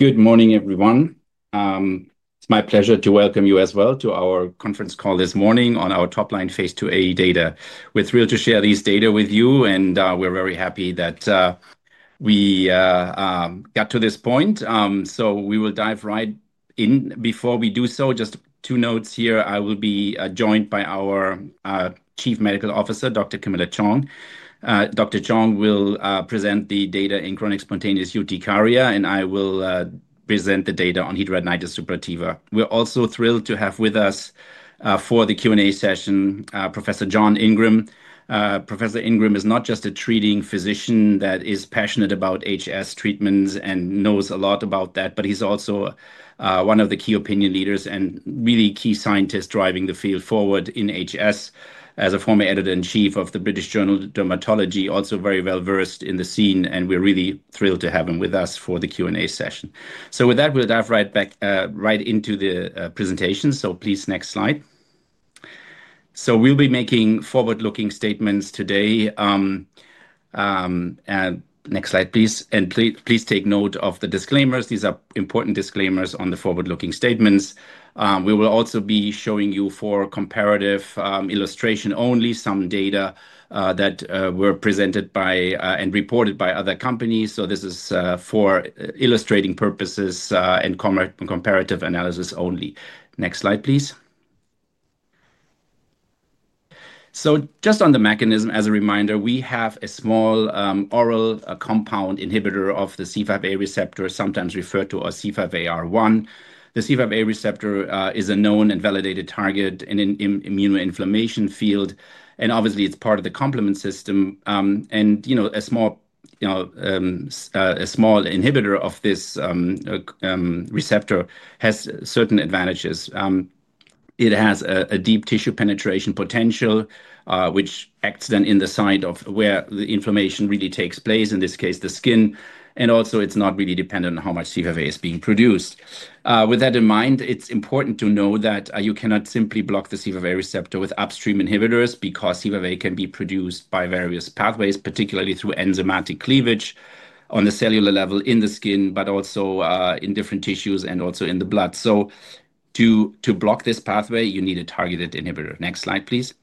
Good morning, everyone. It's my pleasure to welcome you as well to our conference call this morning on our top-line phase II-A data. We're thrilled to share these data with you, and we're very happy that we got to this point. So we will dive right in. Before we do so, just two notes here: I will be joined by our Chief Medical Officer, Dr. Camilla Chong. Dr. Chong will present the data in chronic spontaneous urticaria, and I will present the data on hidradenitis suppurativa. We're also thrilled to have with us, for the Q&A session, Professor John Ingram. Professor Ingram is not just a treating physician that is passionate about HS treatments and knows a lot about that, but he's also one of the key opinion leaders and really key scientists driving the field forward in HS. As a former editor in chief of the British Journal of Dermatology, also very well versed in the scene, and we're really thrilled to have him with us for the Q&A session. So with that, we'll dive right back, right into the, presentation. So please, next slide. So we'll be making forward-looking statements today. next slide, please. And please, please take note of the disclaimers. These are important disclaimers on the forward-looking statements. we will also be showing you for comparative, illustration only, some data, that, were presented by, and reported by other companies. So this is, for illustrating purposes, and comparative analysis only. Next slide, please. So just on the mechanism, as a reminder, we have a small, oral compound inhibitor of the C5a receptor, sometimes referred to as C5aR1. The C5a receptor is a known and validated target in an immunoinflammation field, and obviously, it's part of the complement system. A small, you know, inhibitor of this receptor has certain advantages. It has a deep tissue penetration potential, which acts then in the side of where the inflammation really takes place, in this case, the skin. Also, it's not really dependent on how much C5a is being produced. With that in mind, it's important to know that you cannot simply block the C5a receptor with upstream inhibitors because C5a can be produced by various pathways, particularly through enzymatic cleavage on the cellular level in the skin, but also in different tissues and also in the blood. To block this pathway, you need a targeted inhibitor. Next slide, please.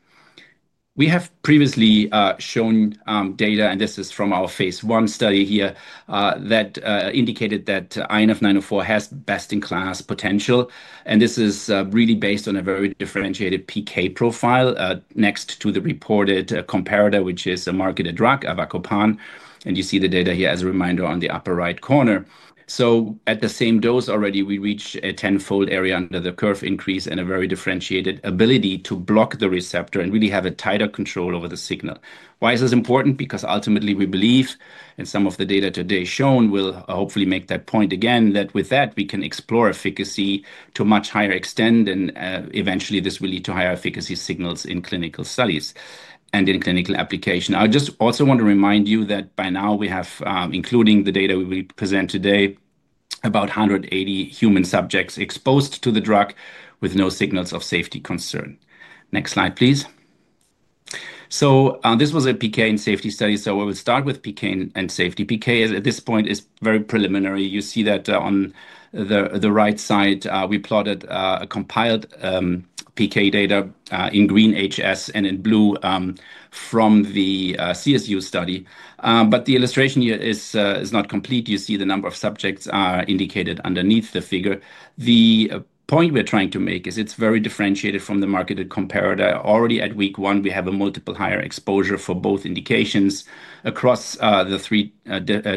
We have previously, shown, data, and this is from our phase I study here, that, indicated that INF904 has best-in-class potential. And this is, really based on a very differentiated PK profile, next to the reported comparator, which is a marketed drug, Avacopan. And you see the data here, as a reminder, on the upper right corner. So at the same dose already, we reach a tenfold area under the curve increase and a very differentiated ability to block the receptor and really have a tighter control over the signal. Why is this important? Because ultimately, we believe, and some of the data today shown will hopefully make that point again, that with that, we can explore efficacy to a much higher extent, and, eventually, this will lead to higher efficacy signals in clinical studies and in clinical application. I just also want to remind you that by now we have, including the data we present today, about 180 human subjects exposed to the drug with no signals of safety concern. Next slide, please. So, this was a PK and safety study. So we will start with PK and safety. PK at this point is very preliminary. You see that on the, the right side, we plotted, a compiled, PK data, in green HS and in blue, from the, CSU study. but the illustration here is, is not complete. You see the number of subjects, indicated underneath the figure. The point we're trying to make is it's very differentiated from the marketed comparator. Already at week one, we have a multiple higher exposure for both indications across, the three,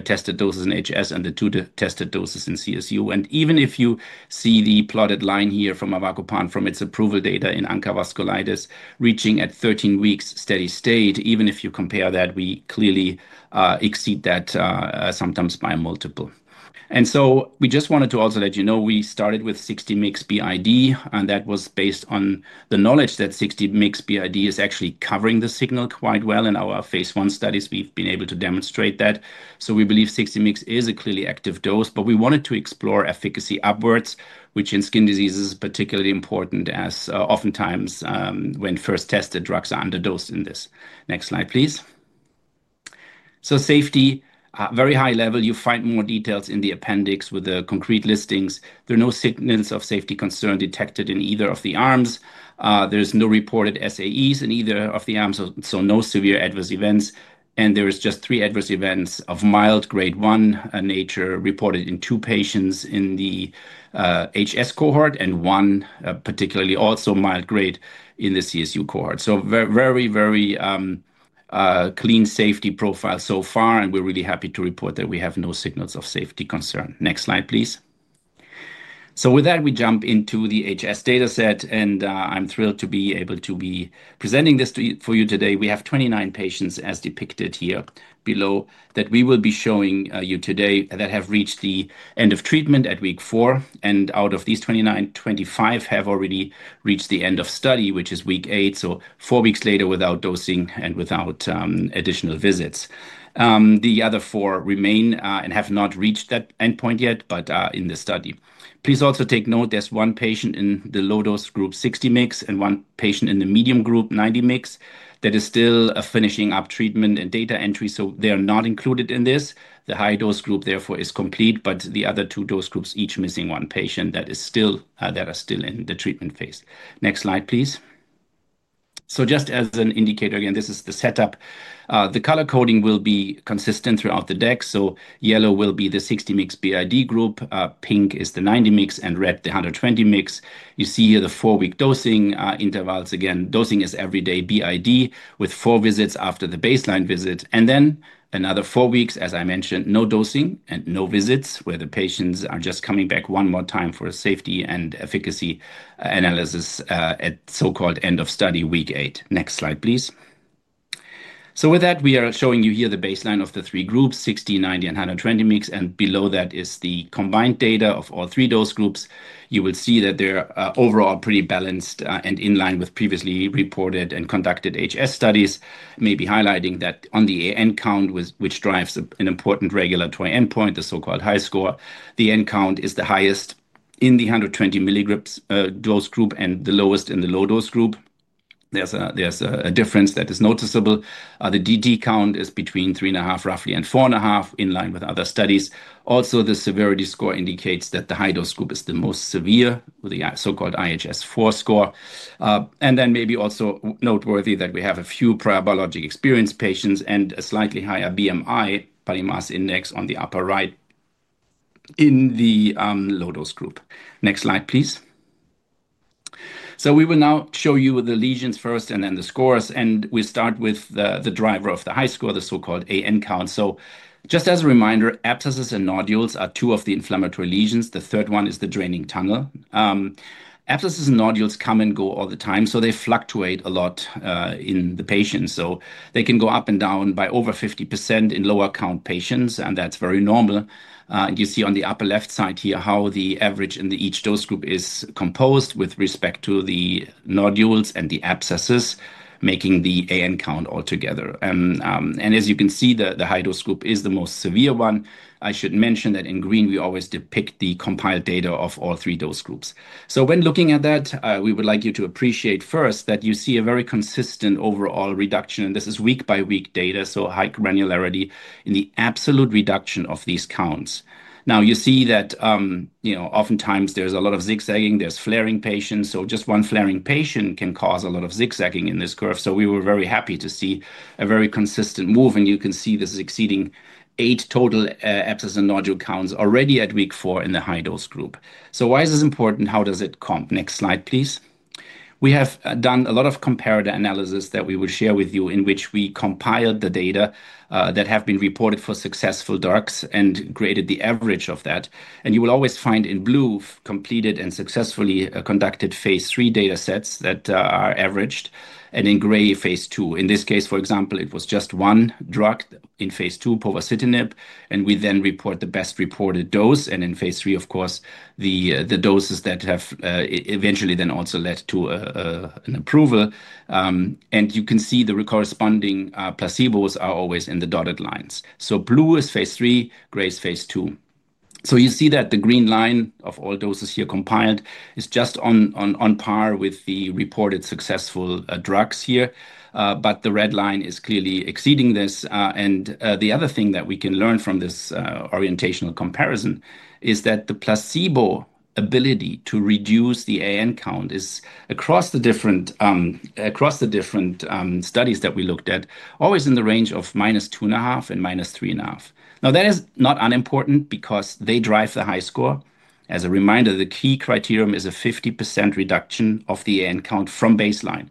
tested doses in HS and the two tested doses in CSU. And even if you see the plotted line here from Avacopan, from its approval data in ANCA-vasculitis, reaching at 13 weeks steady state, even if you compare that, we clearly, exceed that, sometimes by multiple. And so we just wanted to also let you know we started with 60 mix BID, and that was based on the knowledge that 60 mix BID is actually covering the signal quite well. In our phase I studies, we've been able to demonstrate that. So we believe 60 mix is a clearly active dose, but we wanted to explore efficacy upwards, which in skin disease is particularly important as, oftentimes, when first tested drugs are underdosed in this. Next slide, please. So safety, very high level. You find more details in the appendix with the concrete listings. There are no signals of safety concern detected in either of the arms. there's no reported SAEs in either of the arms, so no severe adverse events. And there are just three adverse events of mild grade one nature reported in two patients in the, HS cohort and one, particularly also mild grade in the CSU cohort. So very, very, clean safety profile so far, and we're really happy to report that we have no signals of safety concern. Next slide, please. So with that, we jump into the HS dataset, and, I'm thrilled to be able to be presenting this to you for you today. We have 29 patients as depicted here below that we will be showing, you today that have reached the end of treatment at week four, and out of these 29, 25 have already reached the end of study, which is week eight, so four weeks later without dosing and without, additional visits. the other four remain, and have not reached that endpoint yet, but, in the study. Please also take note there's one patient in the low dose group, 60 mix, and one patient in the medium group, 90 mix, that is still, finishing up treatment and data entry, so they are not included in this. The high dose group, therefore, is complete, but the other two dose groups each missing one patient that is still, that are still in the treatment phase. Next slide, please. So just as an indicator, again, this is the setup. the color coding will be consistent throughout the deck. So yellow will be the 60 mix BID group, pink is the 90 mix, and red the 120 mix. You see here the four-week dosing, intervals. Again, dosing is every day BID with four visits after the baseline visit. Another four weeks, as I mentioned, no dosing and no visits where the patients are just coming back one more time for a safety and efficacy analysis, at so-called end of study week eight. Next slide, please. With that, we are showing you here the baseline of the three groups, 60, 90, and 120 mg, and below that is the combined data of all three dose groups. You will see that they're, overall pretty balanced, and in line with previously reported and conducted HS studies, maybe highlighting that on the AN count, which drives an important regulatory endpoint, the so-called HiSCR. The AN count is the highest in the 120 mg dose group and the lowest in the low dose group. There's a difference that is noticeable. The dT100 is between three and a half roughly and four and a half in line with other studies. Also, the severity score indicates that the high dose group is the most severe with the so-called IHS four score. And then maybe also noteworthy that we have a few prior biologic experienced patients and a slightly higher BMI, body mass index on the upper right in the low dose group. Next slide, please. We will now show you the lesions first and then the scores, and we start with the driver of the HiSCR, the so-called AN count. Just as a reminder, abscesses and nodules are two of the inflammatory lesions. The third one is the draining tunnel. Abscesses and nodules come and go all the time, so they fluctuate a lot in the patients. They can go up and down by over 50% in lower count patients, and that's very normal. And you see on the upper left side here how the average in the each dose group is composed with respect to the nodules and the abscesses making the AN count altogether. And as you can see, the high dose group is the most severe one. I should mention that in green, we always depict the compiled data of all three dose groups. When looking at that, we would like you to appreciate first that you see a very consistent overall reduction, and this is week-by-week data, so high granularity in the absolute reduction of these counts. Now, you see that, you know, oftentimes there's a lot of zigzagging, there's flaring patients, so just one flaring patient can cause a lot of zigzagging in this curve. So we were very happy to see a very consistent move, and you can see this is exceeding eight total, abscess and nodule counts already at week four in the high dose group. So why is this important? How does it comp? Next slide, please. We have done a lot of comparator analysis that we will share with you in which we compiled the data, that have been reported for successful DARCs and graded the average of that. And you will always find in blue completed and successfully conducted phase III data sets that, are averaged, and in gray, phase II. In this case, for example, it was just one drug in phase II, povacitinib, and we then report the best reported dose. And in phase III, of course, the, the doses that have, eventually then also led to a, an approval. and you can see the corresponding, placebos are always in the dotted lines. So blue is phase III, gray is phase II. So you see that the green line of all doses here compiled is just on, on, on par with the reported successful, drugs here. but the red line is clearly exceeding this. and, the other thing that we can learn from this, orientational comparison is that the placebo ability to reduce the AN count is across the different, across the different, studies that we looked at, always in the range of minus two and a half and minus three and a half. Now, that is not unimportant because they drive the high score. As a reminder, the key criterium is a 50% reduction of the AN count from baseline.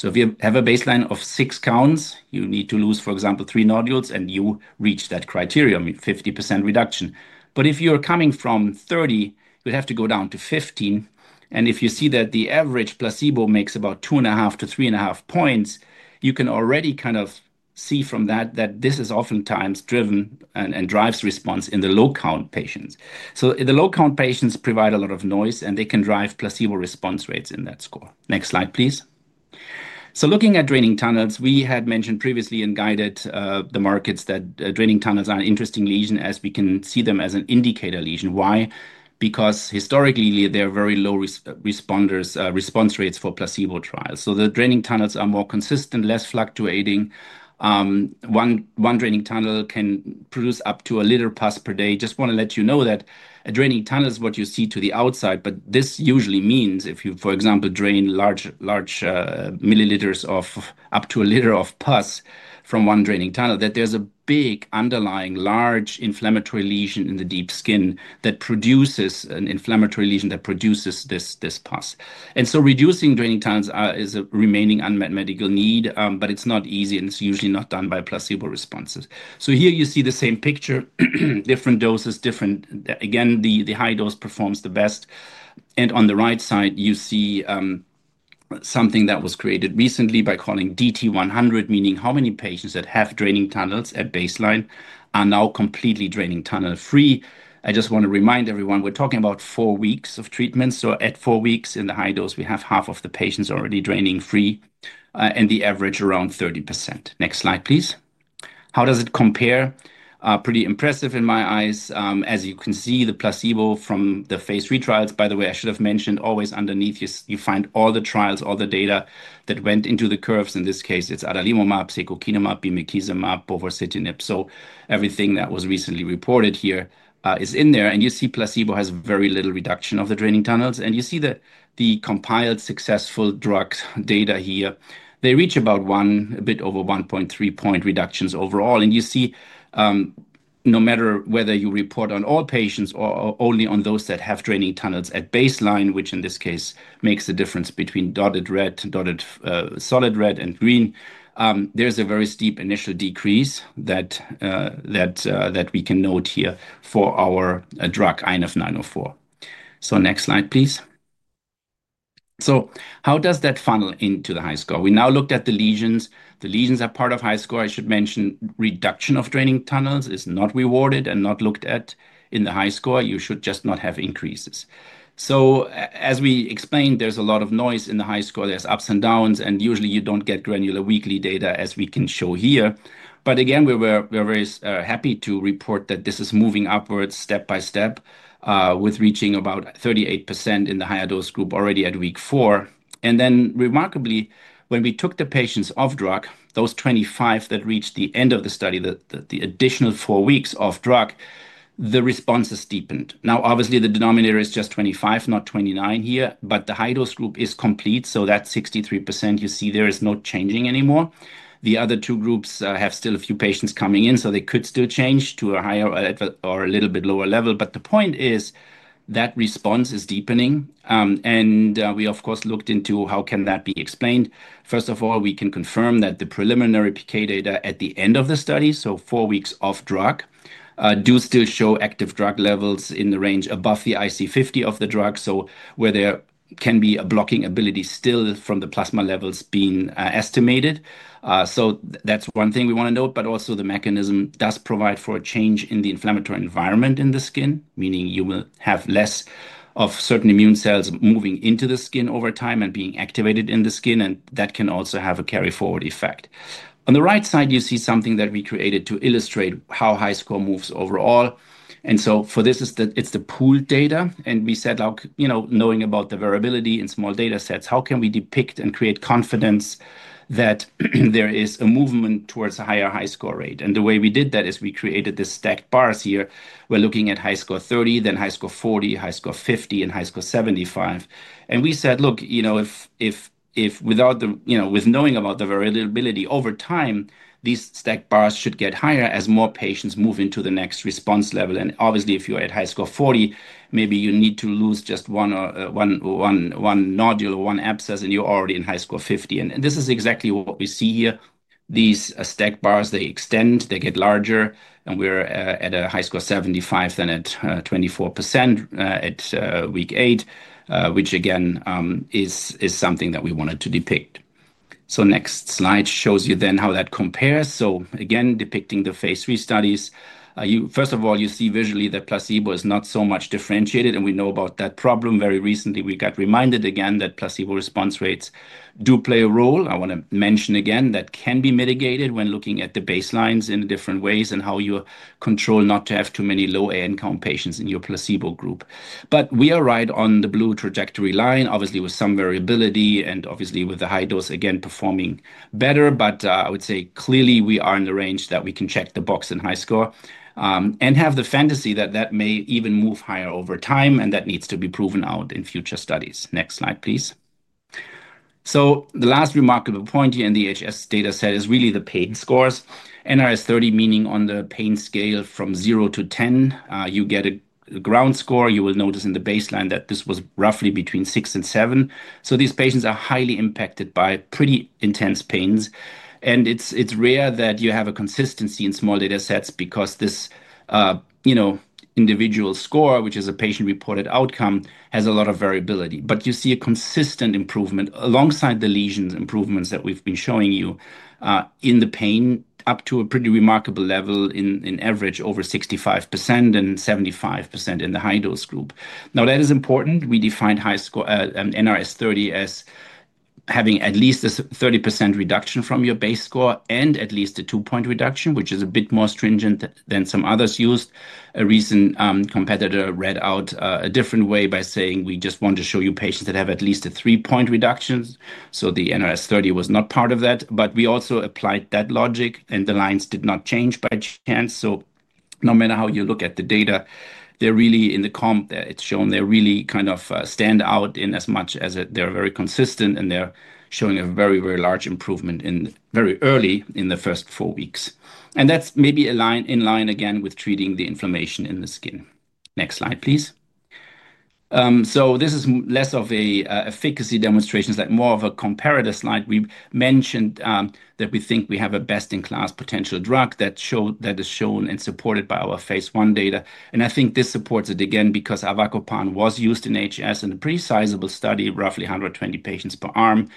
So if you have a baseline of six counts, you need to lose, for example, three nodules, and you reach that criterium, 50% reduction. But if you are coming from 30%, you'd have to go down to 15%. And if you see that the average placebo makes about two and a half to three and a half points, you can already kind of see from that that this is oftentimes driven and, and drives response in the low count patients. So the low count patients provide a lot of noise, and they can drive placebo response rates in that score. Next slide, please. So looking at draining tunnels, we had mentioned previously in guided, the markets that draining tunnels are an interesting lesion as we can see them as an indicator lesion. Why? Because historically, they're very low responders, response rates for placebo trials. So the draining tunnels are more consistent, less fluctuating. one, one draining tunnel can produce up to a liter pus per day. Just want to let you know that a draining tunnel is what you see to the outside, but this usually means if you, for example, drain large, large, milliliters of up to a liter of pus from one draining tunnel, that there's a big underlying large inflammatory lesion in the deep skin that produces an inflammatory lesion that produces this, this pus. And so reducing draining tunnels, is a remaining unmet medical need, but it's not easy, and it's usually not done by placebo responses. So here you see the same picture, different doses, different, again, the, the high dose performs the best. And on the right side, you see, something that was created recently by calling dT100, meaning how many patients that have draining tunnels at baseline are now completely draining tunnel free. I just want to remind everyone we're talking about four weeks of treatment. So at four weeks in the high dose, we have half of the patients already draining free, and the average around 30%. Next slide, please. How does it compare? pretty impressive in my eyes. as you can see, the placebo from the phase III trials, by the way, I should have mentioned always underneath you, you find all the trials, all the data that went into the curves. In this case, it's adalimumab, sicokinumab, bimekizumab, povacitinib. So everything that was recently reported here, is in there. And you see placebo has very little reduction of the draining tunnels. And you see the, the compiled successful drug data here. They reach about one, a bit over 1.3 point reductions overall. And you see, no matter whether you report on all patients or only on those that have draining tunnels at baseline, which in this case makes a difference between dotted red, dotted, solid red and green, there's a very steep initial decrease that, that, that we can note here for our drug INF904. So next slide, please. So how does that funnel into the high score? We now looked at the lesions. The lesions are part of high score. I should mention reduction of draining tunnels is not rewarded and not looked at in the high score. You should just not have increases. So as we explained, there's a lot of noise in the high score. There's ups and downs, and usually you don't get granular weekly data as we can show here. But again, we were, we're very, happy to report that this is moving upwards step by step, with reaching about 38% in the higher dose group already at week four. And then remarkably, when we took the patients off drug, those 25 that reached the end of the study, the, the, the additional four weeks off drug, the response is deepened. Now, obviously, the denominator is just 25, not 29 here, but the high dose group is complete. So that 63% you see there is no changing anymore. The other two groups, have still a few patients coming in, so they could still change to a higher or a little bit lower level. But the point is that response is deepening. and, we of course looked into how can that be explained. First of all, we can confirm that the preliminary PK data at the end of the study, so four weeks off drug, do still show active drug levels in the range above the IC50 of the drug. So where there can be a blocking ability still from the plasma levels being, estimated. so that's one thing we want to note, but also the mechanism does provide for a change in the inflammatory environment in the skin, meaning you will have less of certain immune cells moving into the skin over time and being activated in the skin, and that can also have a carry forward effect. On the right side, you see something that we created to illustrate how high score moves overall. And so for this is the, it's the pooled data, and we said, like, you know, knowing about the variability in small data sets, how can we depict and create confidence that there is a movement towards a higher high score rate? And the way we did that is we created this stacked bars here. We're looking at high score 30%, then high score 40%, high score 50%, and high score 75%. And we said, look, you know, if, if, if without the, you know, with knowing about the variability over time, these stacked bars should get higher as more patients move into the next response level. And obviously, if you're at high score 40%, maybe you need to lose just one or one, one, one nodule or one abscess, and you're already in high score 50%. And this is exactly what we see here. These stacked bars, they extend, they get larger, and we're, at a high score 75%, then at, 24%, at, week eight, which again, is, is something that we wanted to depict. So next slide shows you then how that compares. So again, depicting the phase III studies, you, first of all, you see visually that placebo is not so much differentiated, and we know about that problem. Very recently, we got reminded again that placebo response rates do play a role. I want to mention again that can be mitigated when looking at the baselines in different ways and how you control not to have too many low AN count patients in your placebo group. But we are right on the blue trajectory line, obviously with some variability and obviously with the high dose again performing better. But, I would say clearly we are in the range that we can check the box in high score, and have the fantasy that that may even move higher over time and that needs to be proven out in future studies. Next slide, please. So the last remarkable point here in the HS data set is really the pain scores, NRS30, meaning on the pain scale from zero to 10, you get a ground score. You will notice in the baseline that this was roughly between six and seven. So these patients are highly impacted by pretty intense pains. And it's, it's rare that you have a consistency in small data sets because this, you know, individual score, which is a patient reported outcome, has a lot of variability. But you see a consistent improvement alongside the lesion improvements that we've been showing you, in the pain up to a pretty remarkable level in, in average over 65% and 75% in the high dose group. Now, that is important. We defined high score, NRS30 as having at least a 30% reduction from your base score and at least a two-point reduction, which is a bit more stringent than some others used. A recent, competitor read out, a different way by saying we just want to show you patients that have at least a three-point reduction. So the NRS30 was not part of that, but we also applied that logic and the lines did not change by chance. So no matter how you look at the data, they're really in the comp that it's shown, they really kind of, stand out in as much as they're very consistent and they're showing a very, very large improvement in very early in the first four weeks. And that's maybe a line in line again with treating the inflammation in the skin. Next slide, please. so this is less of a, efficacy demonstrations, like more of a comparator slide. We mentioned, that we think we have a best in class potential drug that showed that is shown and supported by our phase I data. And I think this supports it again because Avacopan was used in HS in a pre-sizable study, roughly 120 patients per arm.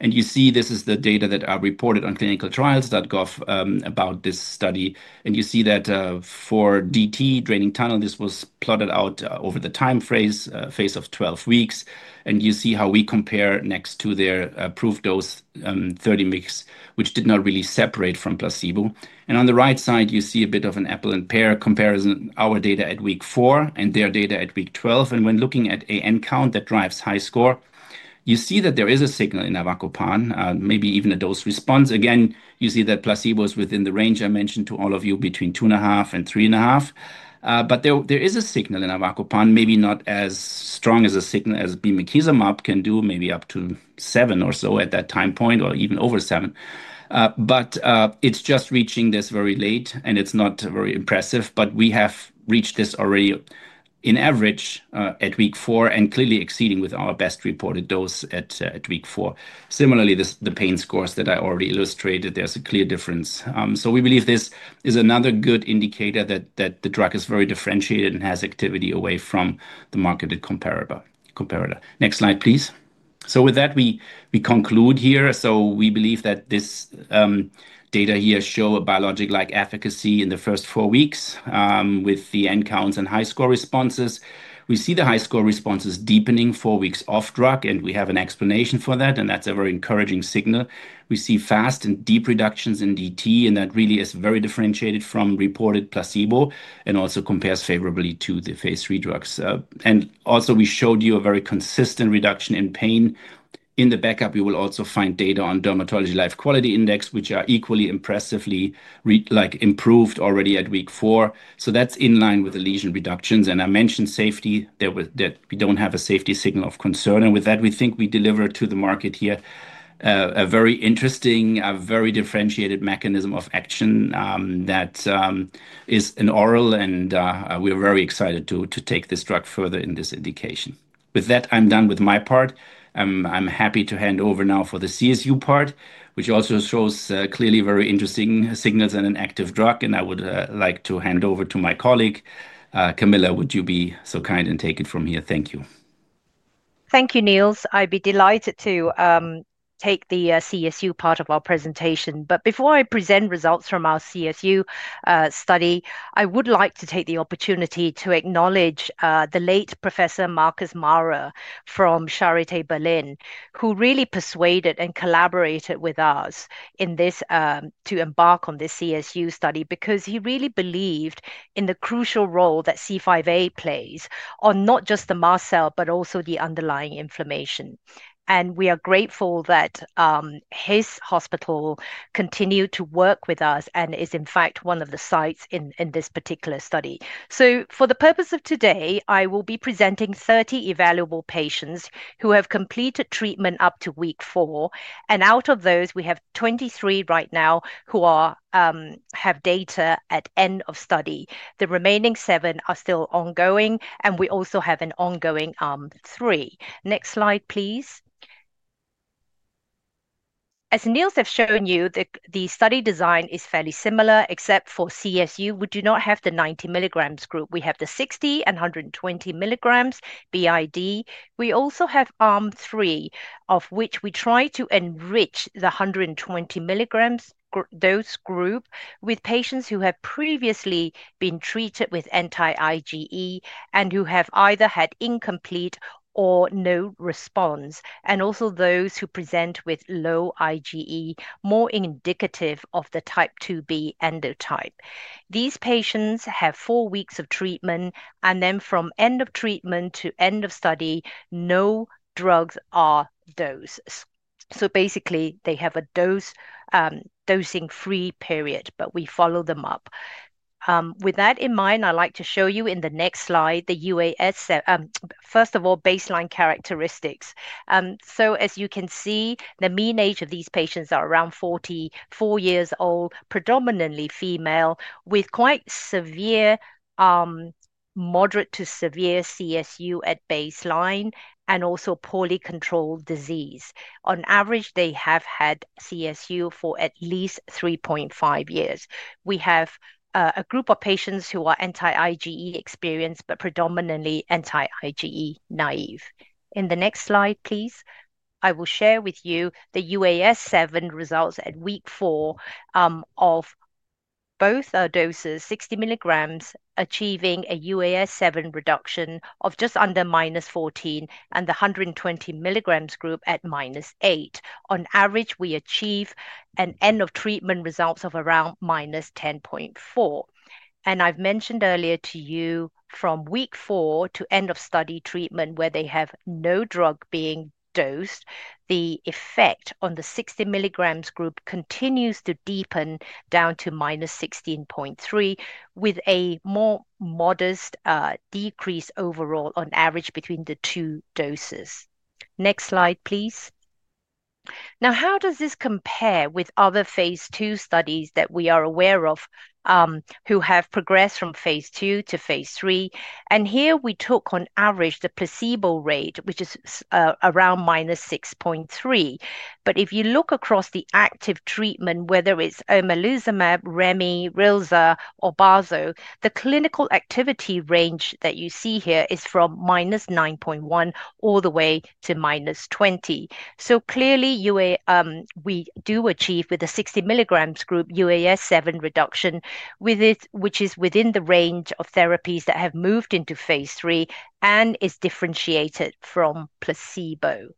And you see this is the data that are reported on clinicaltrials.gov about this study. And you see that, for dT draining tunnel, this was plotted out over the time phase, phase of 12 weeks. And you see how we compare next to their approved dose, 30 mix, which did not really separate from placebo. And on the right side, you see a bit of an apple and pear comparison, our data at week four and their data at week 12. And when looking at AN count that drives high score, you see that there is a signal in Avacopan, maybe even a dose response. Again, you see that placebo is within the range I mentioned to all of you between two and a half and three and a half. but there, there is a signal in Avacopan, maybe not as strong as a signal as bimekizumab can do, maybe up to seven or so at that time point or even over seven. but, it's just reaching this very late and it's not very impressive, but we have reached this already in average, at week four and clearly exceeding with our best reported dose at, at week four. Similarly, this, the pain scores that I already illustrated, there's a clear difference. so we believe this is another good indicator that, that the drug is very differentiated and has activity away from the marketed comparator. Comparator. Next slide, please. So with that, we, we conclude here. So we believe that this, data here show a biologic-like efficacy in the first four weeks, with the end counts and high score responses. We see the high score responses deepening four weeks off drug, and we have an explanation for that. And that's a very encouraging signal. We see fast and deep reductions in dT, and that really is very differentiated from reported placebo and also compares favorably to the phase III drugs. and also we showed you a very consistent reduction in pain in the backup. You will also find data on dermatology life quality index, which are equally impressively re, like improved already at week four. So that's in line with the lesion reductions. And I mentioned safety there was that we don't have a safety signal of concern. And with that, we think we deliver to the market here, a very interesting, a very differentiated mechanism of action, that, is an oral. And, we are very excited to, to take this drug further in this indication. With that, I'm done with my part. I'm, I'm happy to hand over now for the CSU part, which also shows, clearly very interesting signals and an active drug. And I would, like to hand over to my colleague, Camilla. Would you be so kind and take it from here? Thank you. Thank you, Niels. I'd be delighted to, take the, CSU part of our presentation. But before I present results from our CSU, study, I would like to take the opportunity to acknowledge, the late Professor Marcus Maurer from Charité Berlin, who really persuaded and collaborated with us in this, to embark on this CSU study because he really believed in the crucial role that C5a plays on not just the mast cell, but also the underlying inflammation. And we are grateful that, his hospital continued to work with us and is in fact one of the sites in, in this particular study. So for the purpose of today, I will be presenting 30 evaluable patients who have completed treatment up to week four. And out of those, we have 23 right now who are, have data at end of study. The remaining seven are still ongoing, and we also have an ongoing, three. Next slide, please. As Niels have shown you, the, the study design is fairly similar except for CSU. We do not have the 90 milligrams group. We have the 60 mg and 120 mg BID. We also have Arm 3, of which we try to enrich the 120 mg dose group with patients who have previously been treated with anti-IgE and who have either had incomplete or no response, and also those who present with low IGE, more indicative of the type two B endotype. These patients have four weeks of treatment, and then from end of treatment to end of study, no drugs are dosed. So basically they have a dose, dosing free period, but we follow them up. with that in mind, I'd like to show you in the next slide the UAS, first of all, baseline characteristics. so as you can see, the mean age of these patients are around 44 years old, predominantly female with quite severe, moderate to severe CSU at baseline and also poorly controlled disease. On average, they have had CSU for at least 3.5 years. We have, a group of patients who are anti-IgE experienced, but predominantly anti-IgE naive. In the next slide, please, I will share with you the UAS seven results at week four, of both our doses, 60 mg achieving a UAS seven reduction of just under -14 and the 120 mg group at -8. On average, we achieve an end of treatment results of around-10.4. And I've mentioned earlier to you from week four to end of study treatment where they have no drug being dosed, the effect on the 60 mg group continues to deepen down to -16.3 with a more modest, decrease overall on average between the two doses. Next slide, please. Now, how does this compare with other phase II studies that we are aware of, who have progressed from phase II to phase III? And here we took on average the placebo rate, which is, around -6.3. But if you look across the active treatment, whether it's Omalizumab, Remi, Rilza, or Baso, the clinical activity range that you see here is from -9.1 all the way to -20. So clearly, UA, we do achieve with the 60 mg group UAS seven reduction with it, which is within the range of therapies that have moved into phase III and is differentiated from placebo.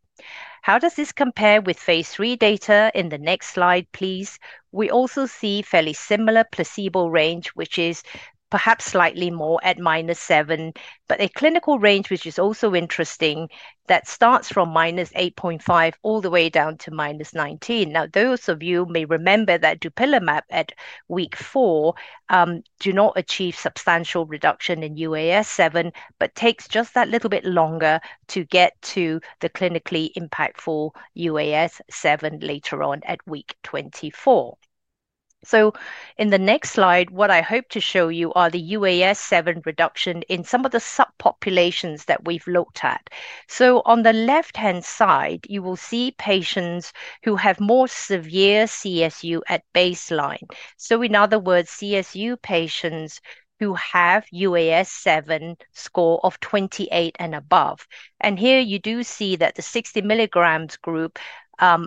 How does this compare with phase III data? In the next slide, please. We also see fairly similar placebo range, which is perhaps slightly more at minus seven, but a clinical range which is also interesting that starts from -8.5 all the way down to -19. Now, those of you may remember that Dupilumab at week four, do not achieve substantial reduction in UAS seven, but takes just that little bit longer to get to the clinically impactful UAS seven later on at week 24. So in the next slide, what I hope to show you are the UAS seven reduction in some of the subpopulations that we've looked at. So on the left hand side, you will see patients who have more severe CSU at baseline. So in other words, CSU patients who have UAS seven score of 28 and above. And here you do see that the 60 mg group,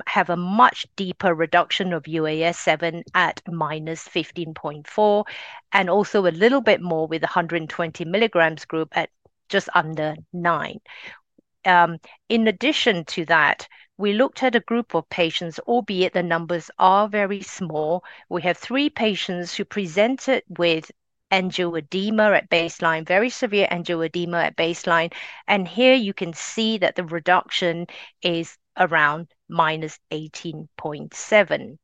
have a much deeper reduction of UAS seven at -15.4 and also a little bit more with 120 mg group at just under nine. in addition to that, we looked at a group of patients, albeit the numbers are very small. We have three patients who presented with angioedema at baseline, very severe angioedema at baseline. And here you can see that the reduction is around -18.7.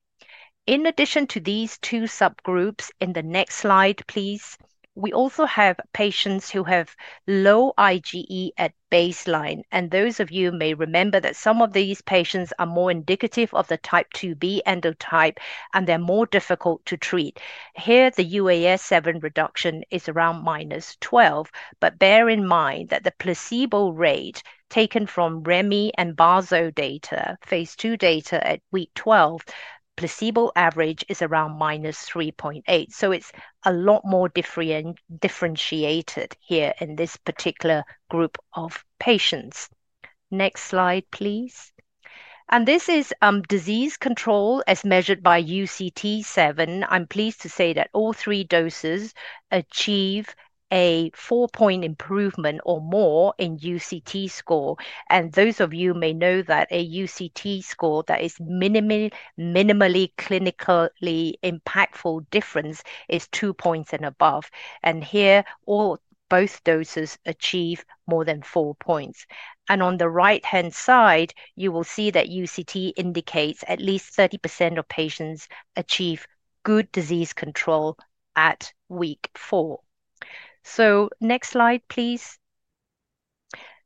In addition to these two subgroups in the next slide, please, we also have patients who have low IGE at baseline. And those of you may remember that some of these patients are more indicative of the Type IIb endotype and they're more difficult to treat. Here the UAS seven reduction is around -12, but bear in mind that the placebo rate taken from Remi and Baso data, phase II data at week 12, placebo average is around -3.8. So it's a lot more differentiated here in this particular group of patients. Next slide, please. And this is, disease control as measured by UCT seven. I'm pleased to say that all three doses achieve a four-point improvement or more in UCT score. And those of you may know that a UCT score that is minimally clinically impactful difference is two points and above. And here all both doses achieve more than four points. And on the right hand side, you will see that UCT indicates at least 30% of patients achieve good disease control at week four. So next slide, please.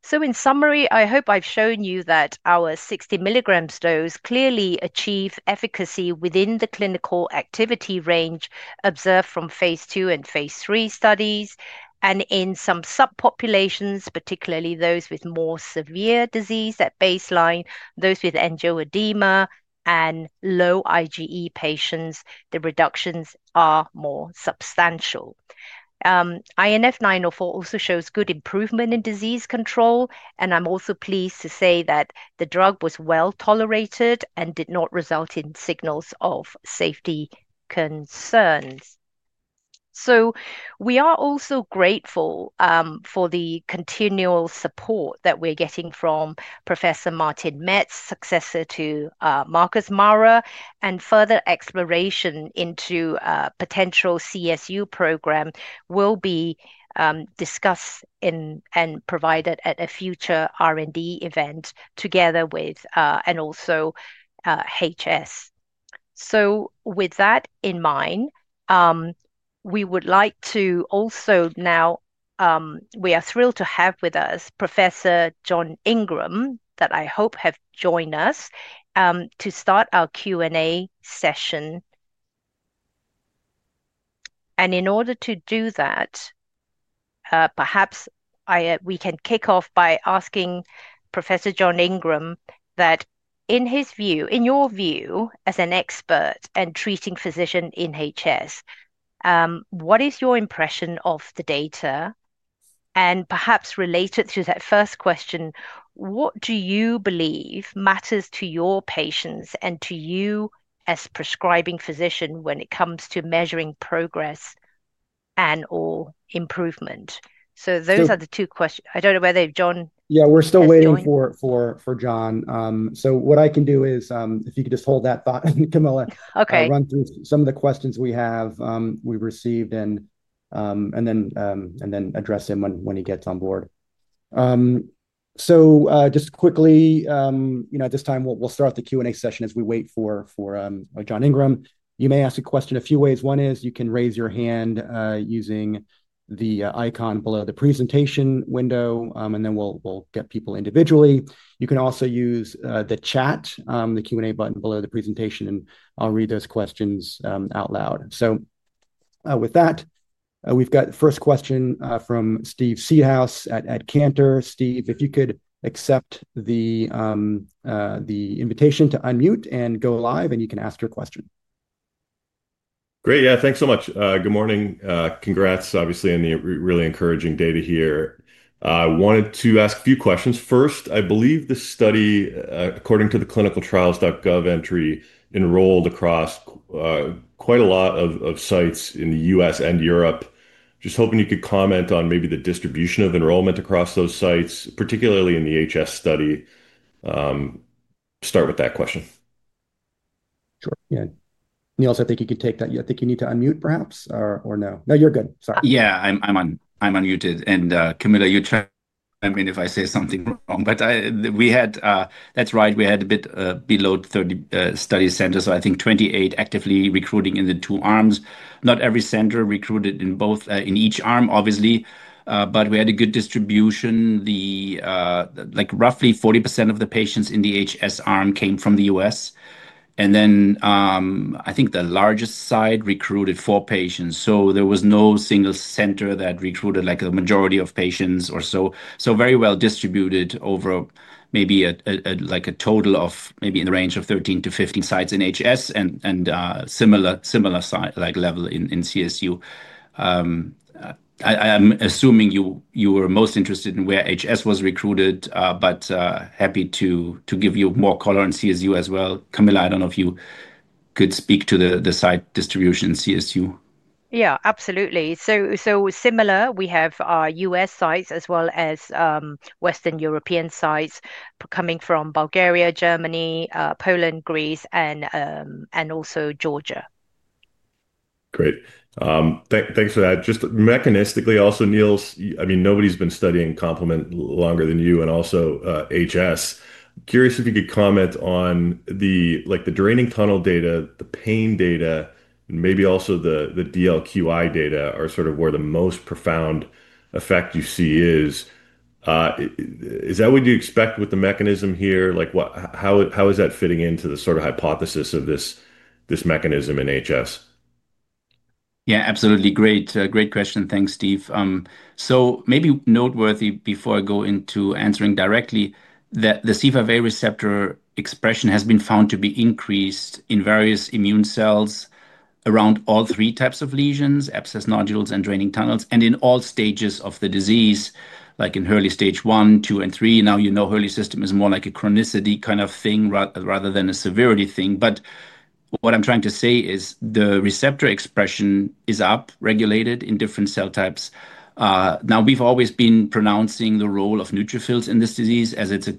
So in summary, I hope I've shown you that our 60 mg dose clearly achieves efficacy within the clinical activity range observed from phase II and phase III studies. And in some subpopulations, particularly those with more severe disease at baseline, those with angioedema and low IGE patients, the reductions are more substantial. INF904 also shows good improvement in disease control. And I'm also pleased to say that the drug was well tolerated and did not result in signals of safety concerns. So we are also grateful, for the continual support that we are getting from Professor Martin Metz, successor to, Marcus Maurer, and further exploration into, potential CSU program will be, discussed in and provided at a future R&D event together with, and also, HS. So with that in mind, we would like to also now, we are thrilled to have with us Professor John Ingram that I hope have joined us, to start our Q&A session. And in order to do that, perhaps I, we can kick off by asking Professor John Ingram that in his view, in your view as an expert and treating physician in HS, what is your impression of the data? And perhaps related to that first question, what do you believe matters to your patients and to you as prescribing physician when it comes to measuring progress and/or improvement? So those are the two questions. I don't know whether John. Yeah, we're still waiting for, for, for John. so what I can do is, if you could just hold that thought, Camilla. Okay. Run through some of the questions we have, we received and, and then, and then address him when, when he gets on board. so, just quickly, you know, at this time, we'll, we'll start the Q&A session as we wait for, for, John Ingram. You may ask a question a few ways. One is you can raise your hand, using the, icon below the presentation window, and then we'll, we'll get people individually. You can also use, the chat, the Q&A button below the presentation, and I'll read those questions, out loud. So, with that, we've got the first question, from Steve Seedhouse at, at Cantor. Steve, if you could accept the, the invitation to unmute and go live and you can ask your question. Great. Yeah. Thanks so much. good morning. congrats. Obviously, in the really encouraging data here, I wanted to ask a few questions. First, I believe the study, according to the clinicaltrials.gov entry, enrolled across, quite a lot of, of sites in the U.S. and Europe. Just hoping you could comment on maybe the distribution of enrollment across those sites, particularly in the HS study. start with that question. Sure. Yeah. Niels, I think you could take that. I think you need to unmute perhaps or, or no. No, you're good. Sorry. Yeah, I'm, I'm on, I'm unmuted. And, Camilla, you try, I mean, if I say something wrong, but I, we had, that's right. We had a bit, below 30, study centers. So I think 28 actively recruiting in the two arms. Not every center recruited in both, in each arm, obviously. but we had a good distribution. The, like roughly 40% of the patients in the HS arm came from the U.S. And then, I think the largest side recruited four patients. So there was no single center that recruited like a majority of patients or so. So very well distributed over maybe a, a, a like a total of maybe in the range of 13 to 15 sites in HS and, and, similar, similar site like level in, in CSU. I, I'm assuming you, you were most interested in where HS was recruited, but, happy to, to give you more color in CSU as well. Camilla, I don't know if you could speak to the, the site distribution in CSU. Yeah, absolutely. So, so similar. We have our U.S. sites as well as, Western European sites coming from Bulgaria, Germany, Poland, Greece, and, and also Georgia. Great. thanks, thanks for that. Just mechanistically also, Niels, I mean, nobody's been studying compliment longer than you and also, HS. Curious if you could comment on the, like the draining tunnel data, the pain data, and maybe also the, the DLQI data are sort of where the most profound effect you see is. is that what you expect with the mechanism here? Like what, how, how is that fitting into the sort of hypothesis of this, this mechanism in HS? Yeah, absolutely. Great. great question. Thanks, Steve. So maybe noteworthy before I go into answering directly that the C5a receptor expression has been found to be increased in various immune cells around all three types of lesions, abscess nodules and draining tunnels, and in all stages of the disease, like in early stage one, two, and three. Now, you know, early system is more like a chronicity kind of thing rather than a severity thing. But what I'm trying to say is the receptor expression is up regulated in different cell types. now we've always been pronouncing the role of neutrophils in this disease as it's a,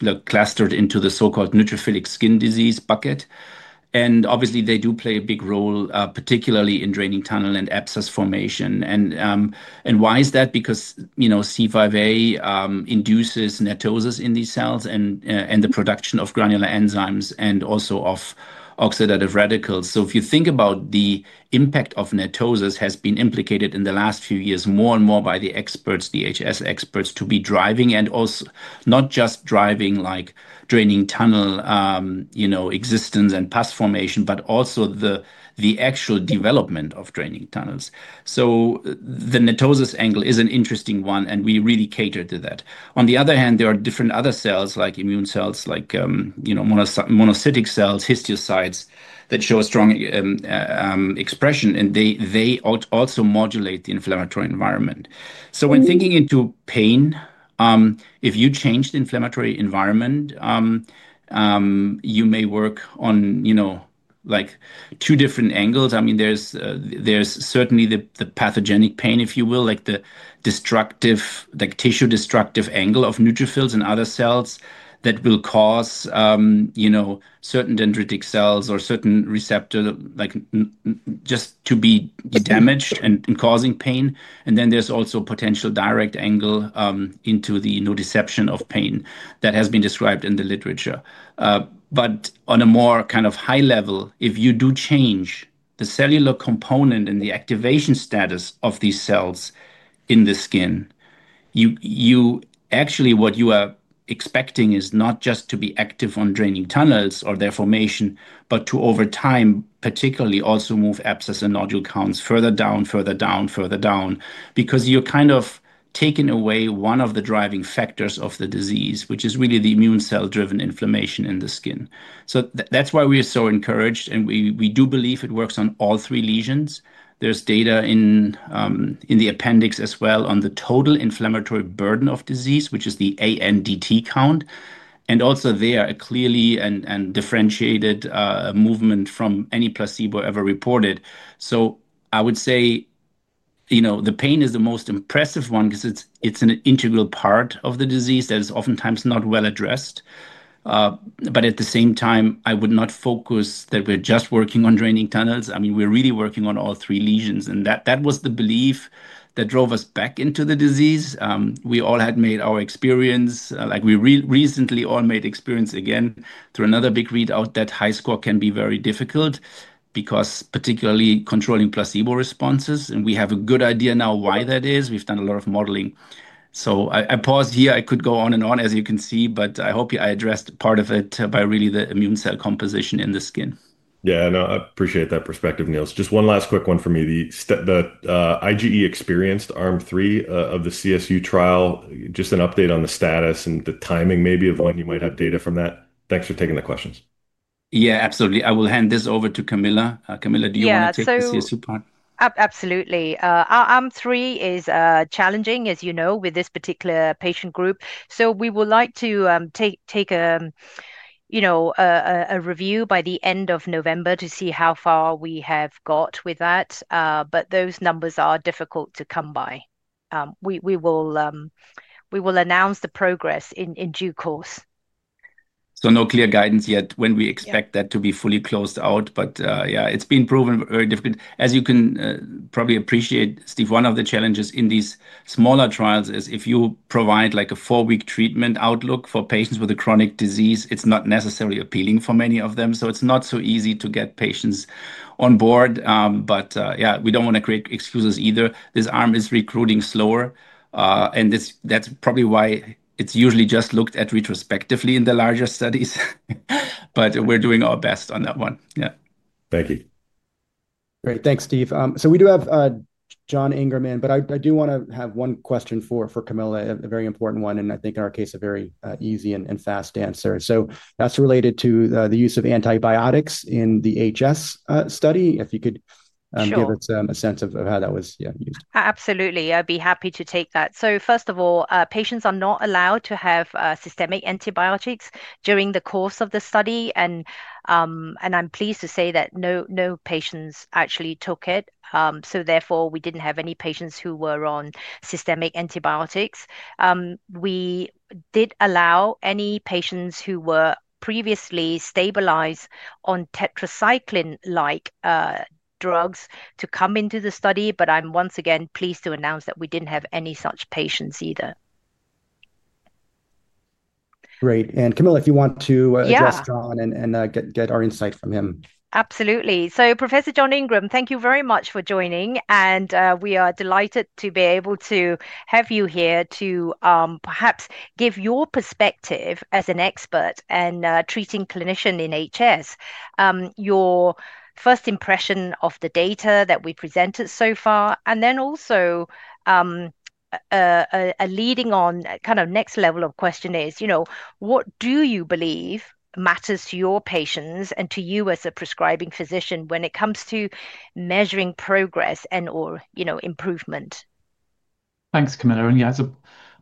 the clustered into the so-called neutrophilic skin disease bucket. And obviously they do play a big role, particularly in draining tunnel and abscess formation. And, and why is that? Because, you know, C5a, induces natosis in these cells and, and the production of granular enzymes and also of oxidative radicals. So if you think about the impact of natosis has been implicated in the last few years more and more by the experts, the HS experts to be driving and also not just driving like draining tunnel, you know, existence and path formation, but also the, the actual development of draining tunnels. So the natosis angle is an interesting one and we really cater to that. On the other hand, there are different other cells like immune cells, like, you know, monocytic cells, histiocytes that show a strong, expression and they, they also modulate the inflammatory environment. So when thinking into pain, if you change the inflammatory environment, you may work on, you know, like two different angles. I mean, there's, there's certainly the, the pathogenic pain, if you will, like the destructive, like tissue destructive angle of neutrophils and other cells that will cause, you know, certain dendritic cells or certain receptor like just to be damaged and, and causing pain. And then there's also potential direct angle, into the nodeception of pain that has been described in the literature. but on a more kind of high level, if you do change the cellular component and the activation status of these cells in the skin, you, you actually what you are expecting is not just to be active on draining tunnels or their formation, but to over time particularly also move abscess and nodule counts further down, further down, further down, because you're kind of taking away one of the driving factors of the disease, which is really the immune cell driven inflammation in the skin. So that's why we are so encouraged and we, we do believe it works on all three lesions. There's data in, in the appendix as well on the total inflammatory burden of disease, which is the AN dT count. And also there are clearly and, and differentiated, movement from any placebo ever reported. So I would say, you know, the pain is the most impressive one 'cause it's, it's an integral part of the disease that is oftentimes not well addressed. but at the same time, I would not focus that we're just working on draining tunnels. I mean, we're really working on all three lesions and that, that was the belief that drove us back into the disease. we all had made our experience, like we're recently all made experience again through another big readout that high score can be very difficult because particularly controlling placebo responses. And we have a good idea now why that is. We've done a lot of modeling. So I, I paused here. I could go on and on as you can see, but I hope I addressed part of it by really the immune cell composition in the skin. Yeah. No, I appreciate that perspective, Niels. Just one last quick one for me. The step, the, IGE experienced Arm 3, of the CSU trial, just an update on the status and the timing maybe of when you might have data from that. Thanks for taking the questions. Yeah, absolutely. I will hand this over to Camilla. Camilla, do you wanna take the CSU part? Absolutely. our Arm 3 is, challenging as you know, with this particular patient group. So we would like to, take, take a, you know, a, a review by the end of November to see how far we have got with that. but those numbers are difficult to come by. we, we will, we will announce the progress in, in due course. So no clear guidance yet when we expect that to be fully closed out. But, yeah, it's been proven very difficult. As you can, probably appreciate, Steve, one of the challenges in these smaller trials is if you provide like a four-week treatment outlook for patients with a chronic disease, it's not necessarily appealing for many of them. So it's not so easy to get patients on board. but, yeah, we don't wanna create excuses either. This arm is recruiting slower. and it's, that's probably why it's usually just looked at retrospectively in the larger studies. But we're doing our best on that one. Yeah. Thank you. Great. Thanks, Steve. so we do have, John Ingerman, but I, I do wanna have one question for, for Camilla, a very important one. And I think in our case, a very, easy and, and fast answer. So that's related to, the use of antibiotics in the HS, study. If you could, give us, a sense of, of how that was, yeah, used. Absolutely. I'd be happy to take that. So first of all, patients are not allowed to have, systemic antibiotics during the course of the study. And, and I'm pleased to say that no, no patients actually took it. so therefore we didn't have any patients who were on systemic antibiotics. we did allow any patients who were previously stabilized on tetracycline-like, drugs to come into the study. But I'm once again pleased to announce that we didn't have any such patients either. Great. And Camilla, if you want to address John and, and, get, get our insight from him. Absolutely. So Professor John Ingram, thank you very much for joining. And, we are delighted to be able to have you here to, perhaps give your perspective as an expert and, treating clinician in HS, your first impression of the data that we presented so far. And then also, a leading on kind of next level of question is, you know, what do you believe matters to your patients and to you as a prescribing physician when it comes to measuring progress and, or, you know, improvement? Thanks, Camilla. And yeah, it's a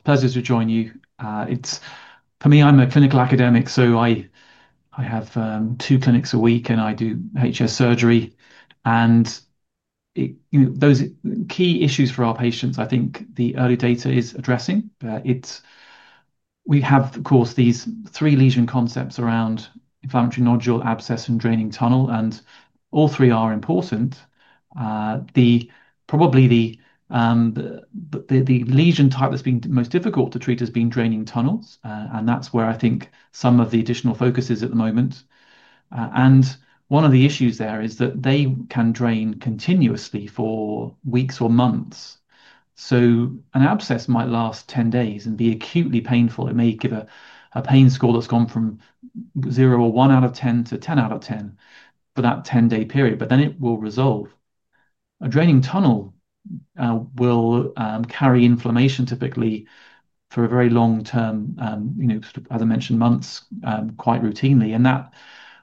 pleasure to join you. it's for me, I'm a clinical academic, so I, I have, two clinics a week and I do HS surgery. And it, you know, those key issues for our patients, I think the early data is addressing. it's, we have of course these three lesion concepts around inflammatory nodule, abscess, and draining tunnel, and all three are important. the, probably the, the, the, the lesion type that's been most difficult to treat has been draining tunnels. and that's where I think some of the additional focus is at the moment. and one of the issues there is that they can drain continuously for weeks or months. So an abscess might last 10 days and be acutely painful. It may give a, a pain score that's gone from zero or one out of 10 to 10 out of 10 for that 10 day period, but then it will resolve. A draining tunnel, will, carry inflammation typically for a very long term, you know, sort of, as I mentioned, months, quite routinely. And that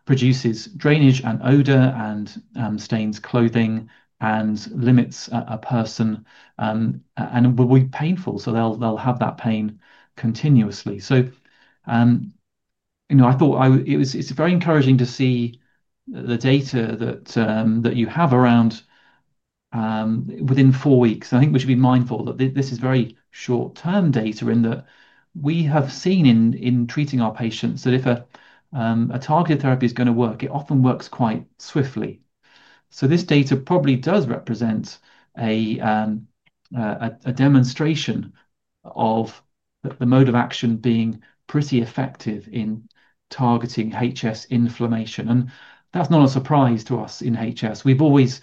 produces drainage and odor and, stains clothing and limits a, a person, and will be painful. So they'll, they'll have that pain continuously. So, you know, I thought I, it was, it's very encouraging to see the data that, that you have around, within four weeks. I think we should be mindful that this, this is very short term data in that we have seen in, in treating our patients that if a, a targeted therapy is gonna work, it often works quite swiftly. So this data probably does represent a, a, a demonstration of the, the mode of action being pretty effective in targeting HS inflammation. And that's not a surprise to us in HS. We've always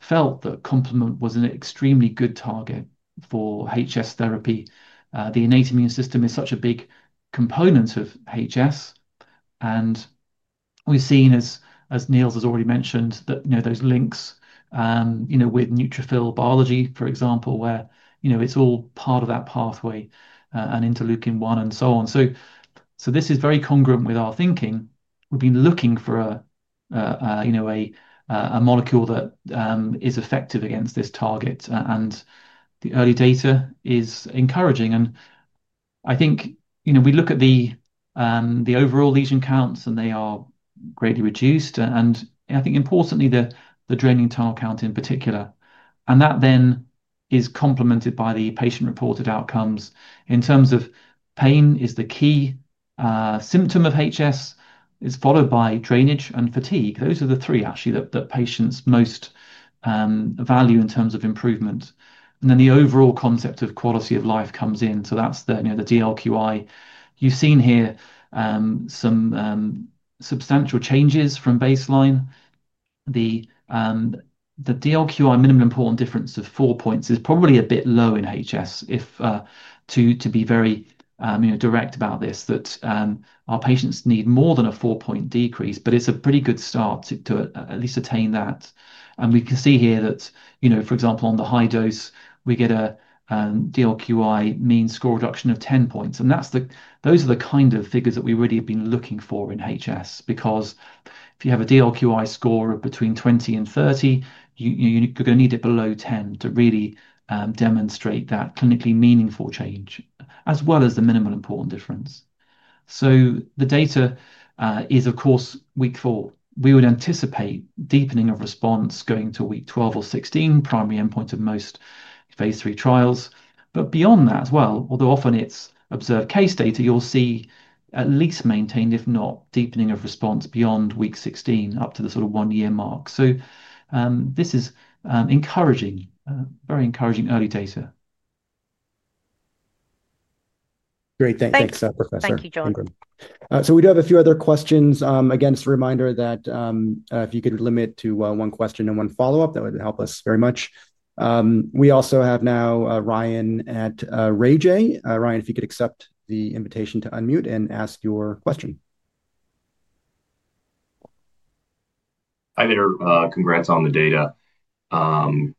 felt that compliment was an extremely good target for HS therapy. the innate immune system is such a big component of HS. And we've seen, as, as Niels has already mentioned, that, you know, those links, you know, with neutrophil biology, for example, where, you know, it's all part of that pathway, and interleukin one and so on. So, so this is very congruent with our thinking. We've been looking for a, you know, a, a molecule that, is effective against this target. and the early data is encouraging. And I think, you know, we look at the, the overall lesion counts and they are greatly reduced. And, and I think importantly the, the draining tunnel count in particular, and that then is complemented by the patient reported outcomes in terms of pain is the key, symptom of HS is followed by drainage and fatigue. Those are the three actually that, that patients most, value in terms of improvement. And then the overall concept of quality of life comes in. So that's the, you know, the DLQI you've seen here, some, substantial changes from baseline. The, the DLQI minimum important difference of four points is probably a bit low in HS if, to, to be very, you know, direct about this, that, our patients need more than a four point decrease, but it's a pretty good start to, to at least attain that. And we can see here that, you know, for example, on the high dose, we get a, DLQI mean score reduction of 10 points. And that's the, those are the kind of figures that we really have been looking for in HS because if you have a DLQI score of between 20 and 30, you, you know, you're gonna need it below 10 to really, demonstrate that clinically meaningful change as well as the minimal important difference. So the data, is of course week four. We would anticipate deepening of response going to week 12 or 16, primary endpoint of most phase III trials. But beyond that as well, although often it's observed case data, you'll see at least maintained, if not deepening of response beyond week 16 up to the sort of one year mark. So, this is, encouraging, very encouraging early data. Great. Thanks. Thanks, Professor. Thank you, John. So we do have a few other questions. Again, it's a reminder that, if you could limit to one question and one follow-up, that would help us very much. We also have now Ryan at Ray J. Ryan, if you could accept the invitation to unmute and ask your question. Hi there. Congrats on the data.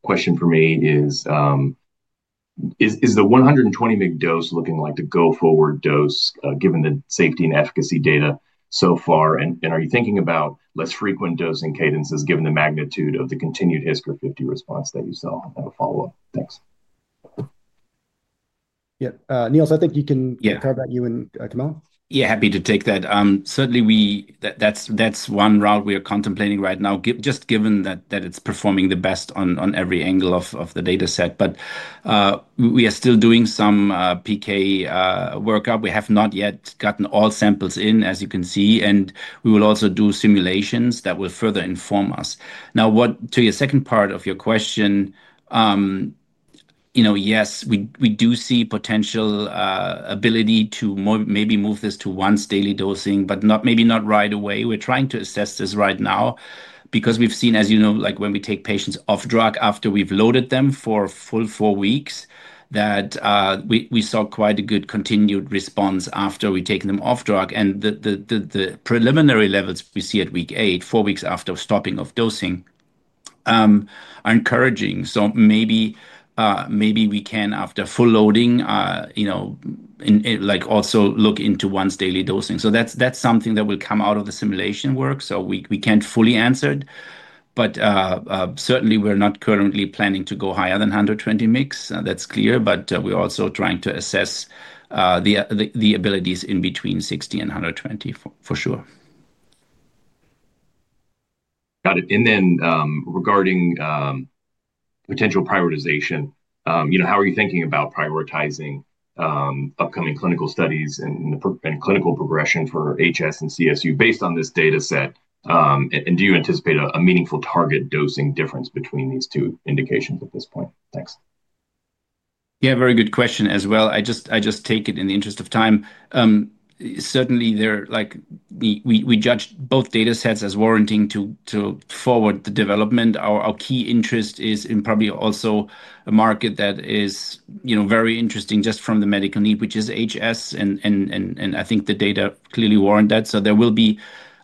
Question for me is, is the 120 mg dose looking like the go-forward dose, given the safety and efficacy data so far? And, and are you thinking about less frequent dosing cadences given the magnitude of the continued HISCR50 response that you saw? I have a follow-up. Thanks. Yeah. Niels, I think you can. Yeah. Talk about you and, Camilla. Yeah. Happy to take that. certainly we, that, that's, that's one route we are contemplating right now, just given that, that it's performing the best on, on every angle of, of the dataset. But, we, we are still doing some, PK, workup. We have not yet gotten all samples in, as you can see. And we will also do simulations that will further inform us. Now, what to your second part of your question, you know, yes, we, we do see potential, ability to mo maybe move this to once daily dosing, but not maybe not right away. We're trying to assess this right now because we've seen, as you know, like when we take patients off drug after we've loaded them for full four weeks, that, we, we saw quite a good continued response after we've taken them off drug. And the, the, the, the preliminary levels we see at week eight, four weeks after stopping of dosing, are encouraging. So maybe, maybe we can after full loading, you know, in, in like also look into once daily dosing. So that's, that's something that will come out of the simulation work. So we, we can't fully answer it, but, certainly we're not currently planning to go higher than 120 mix. That's clear. But, we're also trying to assess, the, the, the abilities in between 60 and 120 for, for sure. Got it. And then, regarding, potential prioritization, you know, how are you thinking about prioritizing, upcoming clinical studies and, and clinical progression for HS and CSU based on this dataset? and, and do you anticipate a, a meaningful target dosing difference between these two indications at this point? Thanks. Yeah. Very good question as well. I just, I just take it in the interest of time. certainly there like we, we, we judge both datasets as warranting to, to forward the development. Our, our key interest is in probably also a market that is, you know, very interesting just from the medical need, which is HS. And, and, and, and I think the data clearly warrant that. So there will be,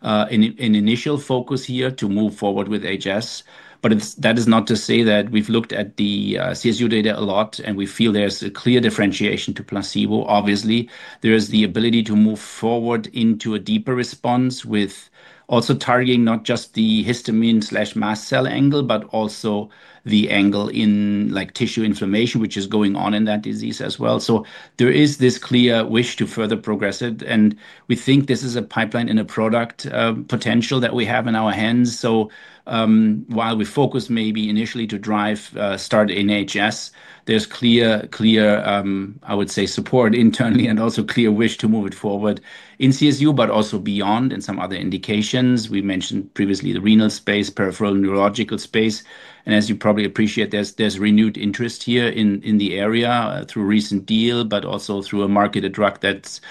an, an initial focus here to move forward with HS. But it's, that is not to say that we've looked at the, CSU data a lot and we feel there's a clear differentiation to placebo. Obviously, there is the ability to move forward into a deeper response with also targeting not just the histamine slash mast cell angle, but also the angle in like tissue inflammation, which is going on in that disease as well. So there is this clear wish to further progress it. And we think this is a pipeline and a product, potential that we have in our hands. So, while we focus maybe initially to drive, start NHS, there's clear, clear, I would say support internally and also clear wish to move it forward in CSU, but also beyond in some other indications. We mentioned previously the renal space, peripheral neurological space. And as you probably appreciate, there's, there's renewed interest here in, in the area through a recent deal, but also through a marketed drug that's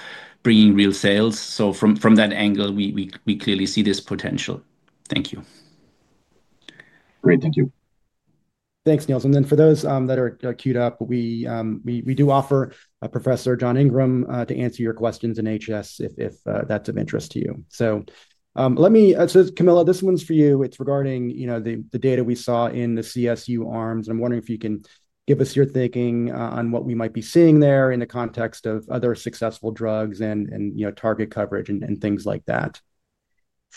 bringing real sales. So from, from that angle, we, we, we clearly see this potential. Thank you. Great. Thank you. Thanks, Niels. And then for those, that are queued up, we, we, we do offer Professor John Ingram, to answer your questions in HS if, if, that's of interest to you. So, let me, so Camilla, this one's for you. It's regarding, you know, the, the data we saw in the CSU arms. And I'm wondering if you can give us your thinking, on what we might be seeing there in the context of other successful drugs and, and, you know, target coverage and, and things like that.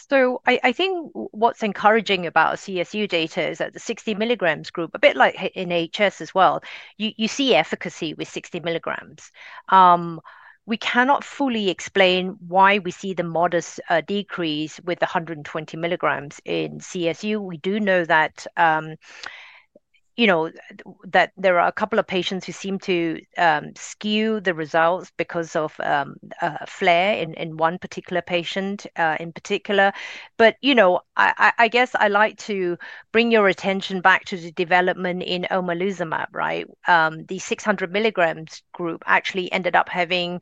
So I, I think what's encouraging about CSU data is that the 60 mg group, a bit like in HS as well, you, you see efficacy with 60 mg. we cannot fully explain why we see the modest, decrease with 120 mg in CSU. We do know that, you know, that there are a couple of patients who seem to, skew the results because of, flare in, in one particular patient, in particular. But, you know, I, I, I guess I like to bring your attention back to the development in Omaluzumab, right? the 600 mg group actually ended up having,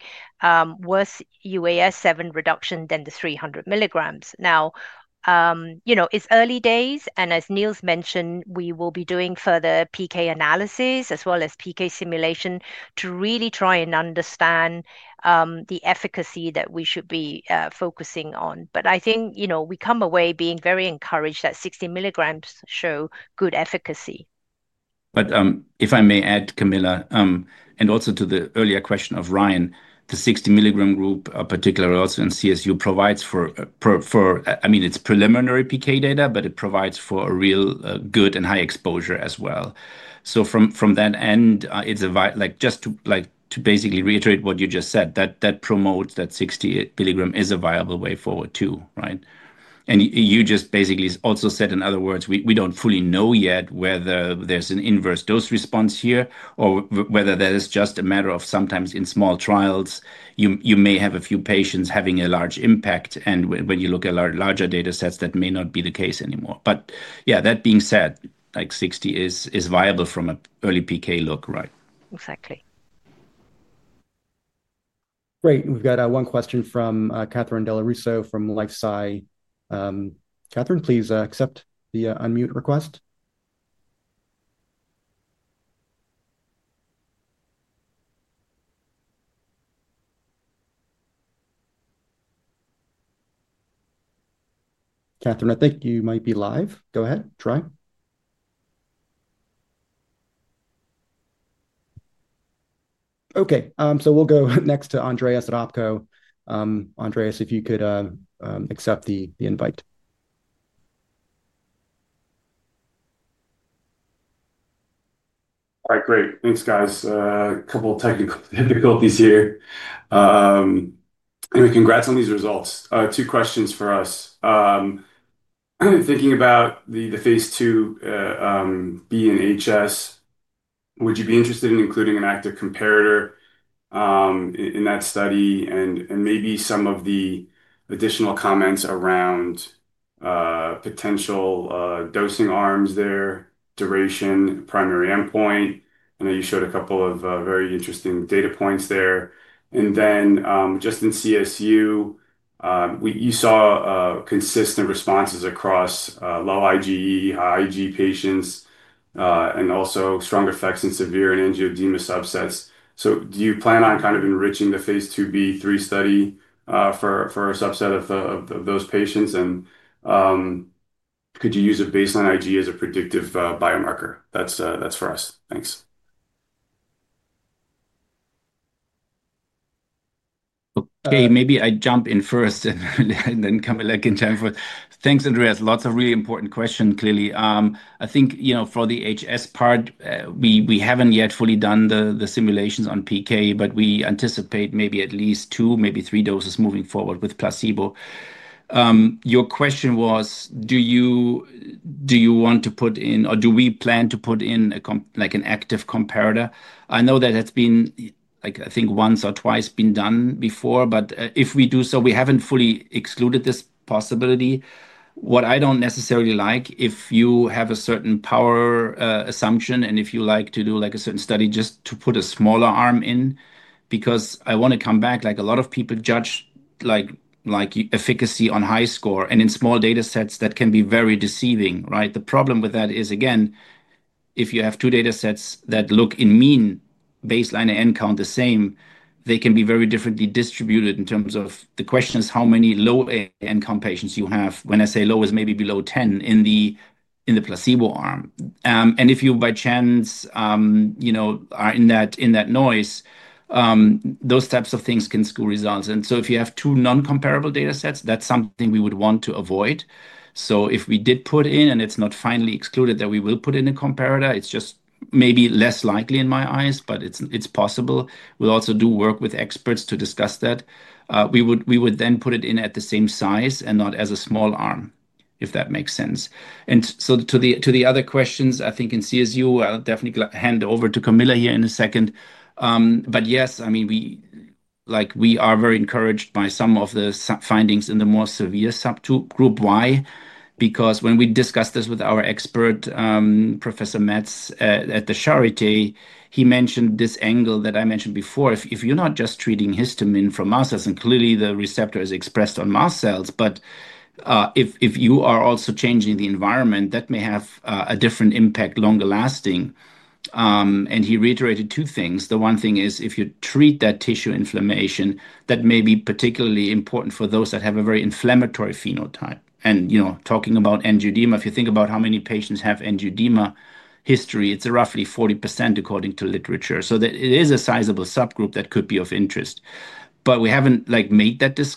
worse UAS7 reduction than the 300 mg. Now, you know, it's early days. And as Niels mentioned, we will be doing further PK analysis as well as PK simulation to really try and understand, the efficacy that we should be, focusing on. But I think, you know, we come away being very encouraged that 60 mg show good efficacy. But, if I may add, Camilla, and also to the earlier question of Ryan, the 60 mg group, particularly also in CSU provides for, for, for, I mean, it's preliminary PK data, but it provides for a real, good and high exposure as well. So from, from that end, it's a vi like just to, like to basically reiterate what you just said, that, that promotes that 60 mg is a viable way forward too, right? And you just basically also said, in other words, we, we don't fully know yet whether there's an inverse dose response here or whether that is just a matter of sometimes in small trials, you, you may have a few patients having a large impact. And when you look at larger datasets, that may not be the case anymore. But yeah, that being said, like 60 mg is, is viable from an early PK look, right? Exactly. Great. We've got a one question from, Katherine Dellorusso from LifeSci. Katherine, please, accept the, unmute request. Katherine, I think you might be live. Go ahead. Try. Okay. so we'll go next to Andreas Ropko. Andreas, if you could, accept the, the invite. All right. Great. Thanks, guys. a couple of technical difficulties here. anyway, congrats on these results. two questions for us. thinking about the, the phase II-B in HS, would you be interested in including an active comparator, in, in that study and, and maybe some of the additional comments around, potential, dosing arms there, duration, primary endpoint? I know you showed a couple of, very interesting data points there. And then, just in CSU, we, you saw, consistent responses across, low IgE, high IgE patients, and also strong effects in severe and angioedema subsets. So do you plan on kind of enriching the phase II-B3 study, for, for a subset of, of, of those patients? And, could you use a baseline IgE as a predictive, biomarker? That's, that's for us. Thanks. Okay. Maybe I jump in first and then come back in time for, thanks, Andreas. Lots of really important questions, clearly. I think, you know, for the HS part, we, we haven't yet fully done the, the simulations on PK, but we anticipate maybe at least two, maybe three doses moving forward with placebo. your question was, do you, do you want to put in, or do we plan to put in a comp, like an active comparator? I know that has been like, I think once or twice been done before, but, if we do so, we haven't fully excluded this possibility. What I don't necessarily like, if you have a certain power, assumption and if you like to do like a certain study just to put a smaller arm in, because I wanna come back, like a lot of people judge like, like efficacy on high score and in small datasets that can be very deceiving, right? The problem with that is, again, if you have two datasets that look in mean baseline and end count the same, they can be very differently distributed in terms of the question is how many low end count patients you have. When I say low is maybe below 10 in the, in the placebo arm. and if you by chance, you know, are in that, in that noise, those types of things can score results. And so if you have two non-comparable datasets, that's something we would want to avoid. So if we did put in and it's not finally excluded that we will put in a comparator, it's just maybe less likely in my eyes, but it's, it's possible. We'll also do work with experts to discuss that. we would, we would then put it in at the same size and not as a small arm, if that makes sense. And so to the, to the other questions, I think in CSU, I'll definitely hand over to Camilla here in a second. but yes, I mean, we, like we are very encouraged by some of the findings in the more severe subgroup. Why? Because when we discussed this with our expert, Professor Metz, at the Charité, he mentioned this angle that I mentioned before. If, if you're not just treating histamine from mast cells and clearly the receptor is expressed on mast cells, but, if, if you are also changing the environment, that may have, a different impact longer lasting. and he reiterated two things. The one thing is if you treat that tissue inflammation, that may be particularly important for those that have a very inflammatory phenotype. And, you know, talking about angioedema, if you think about how many patients have angioedema history, it's roughly 40% according to literature. So that it is a sizable subgroup that could be of interest, but we haven't like made that dis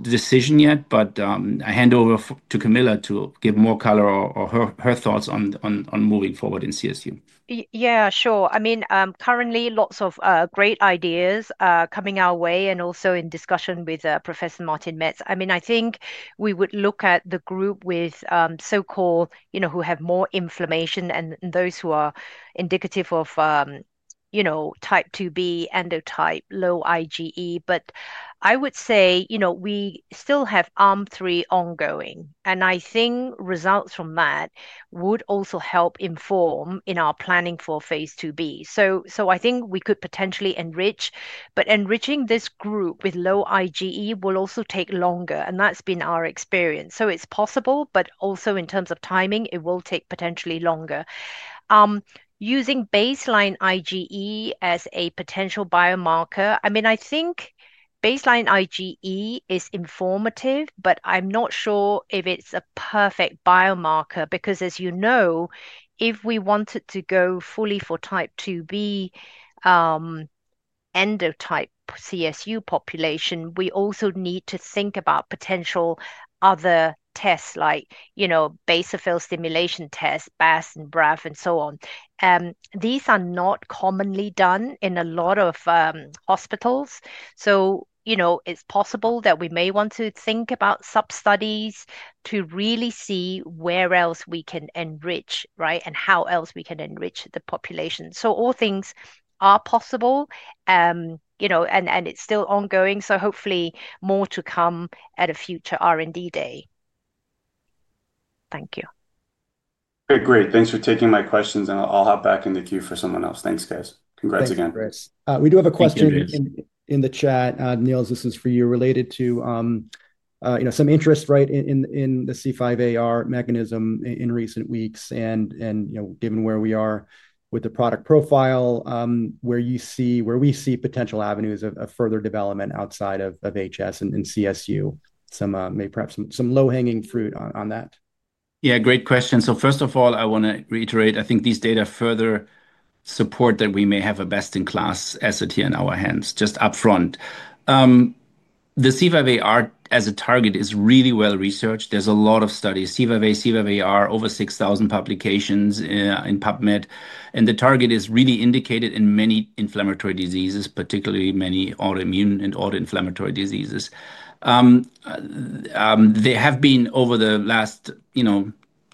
decision yet. But, I hand over to Camilla to give more color or, or her, her thoughts on, on, on moving forward in CSU. Yeah, sure. I mean, currently lots of, great ideas, coming our way and also in discussion with, Professor Martin Metz. I mean, I think we would look at the group with, so-called, you know, who have more inflammation and those who are indicative of, you know, Type IIb endotype, low IgE. But I would say, you know, we still have Arm 3 ongoing, and I think results from that would also help inform in our planning for phase II-B. So, so I think we could potentially enrich, but enriching this group with low IgE will also take longer, and that's been our experience. So it's possible, but also in terms of timing, it will take potentially longer. using baseline IgE as a potential biomarker, I mean, I think baseline IgE is informative, but I'm not sure if it's a perfect biomarker because, as you know, if we wanted to go fully for Type IIb, endotype CSU population, we also need to think about potential other tests like, you know, basophil stimulation tests, BAS and BRAF and so on. these are not commonly done in a lot of, hospitals. So, you know, it's possible that we may want to think about sub-studies to really see where else we can enrich, right? And how else we can enrich the population. So all things are possible, you know, and, and it's still ongoing. So hopefully more to come at a future R&D day. Thank you. Great. Great. Thanks for taking my questions and I'll, I'll hop back in the queue for someone else. Thanks, guys. Congrats again. Thank you, Chris. we do have a question in, in the chat. Niels, this is for you related to, you know, some interest, right? In, in, in the C5aR mechanism in, in recent weeks. And, and, you know, given where we are with the product profile, where you see, where we see potential avenues of, of further development outside of, of HS and, and CSU. Some, may perhaps some, some low hanging fruit on, on that. Yeah. Great question. So first of all, I wanna reiterate, I think these data further support that we may have a best in class asset here in our hands just upfront. the C5aR as a target is really well researched. There's a lot of studies. C5a, C5aR, over 6,000 publications, in PubMed, and the target is really indicated in many inflammatory diseases, particularly many autoimmune and autoinflammatory diseases. there have been over the last, you know,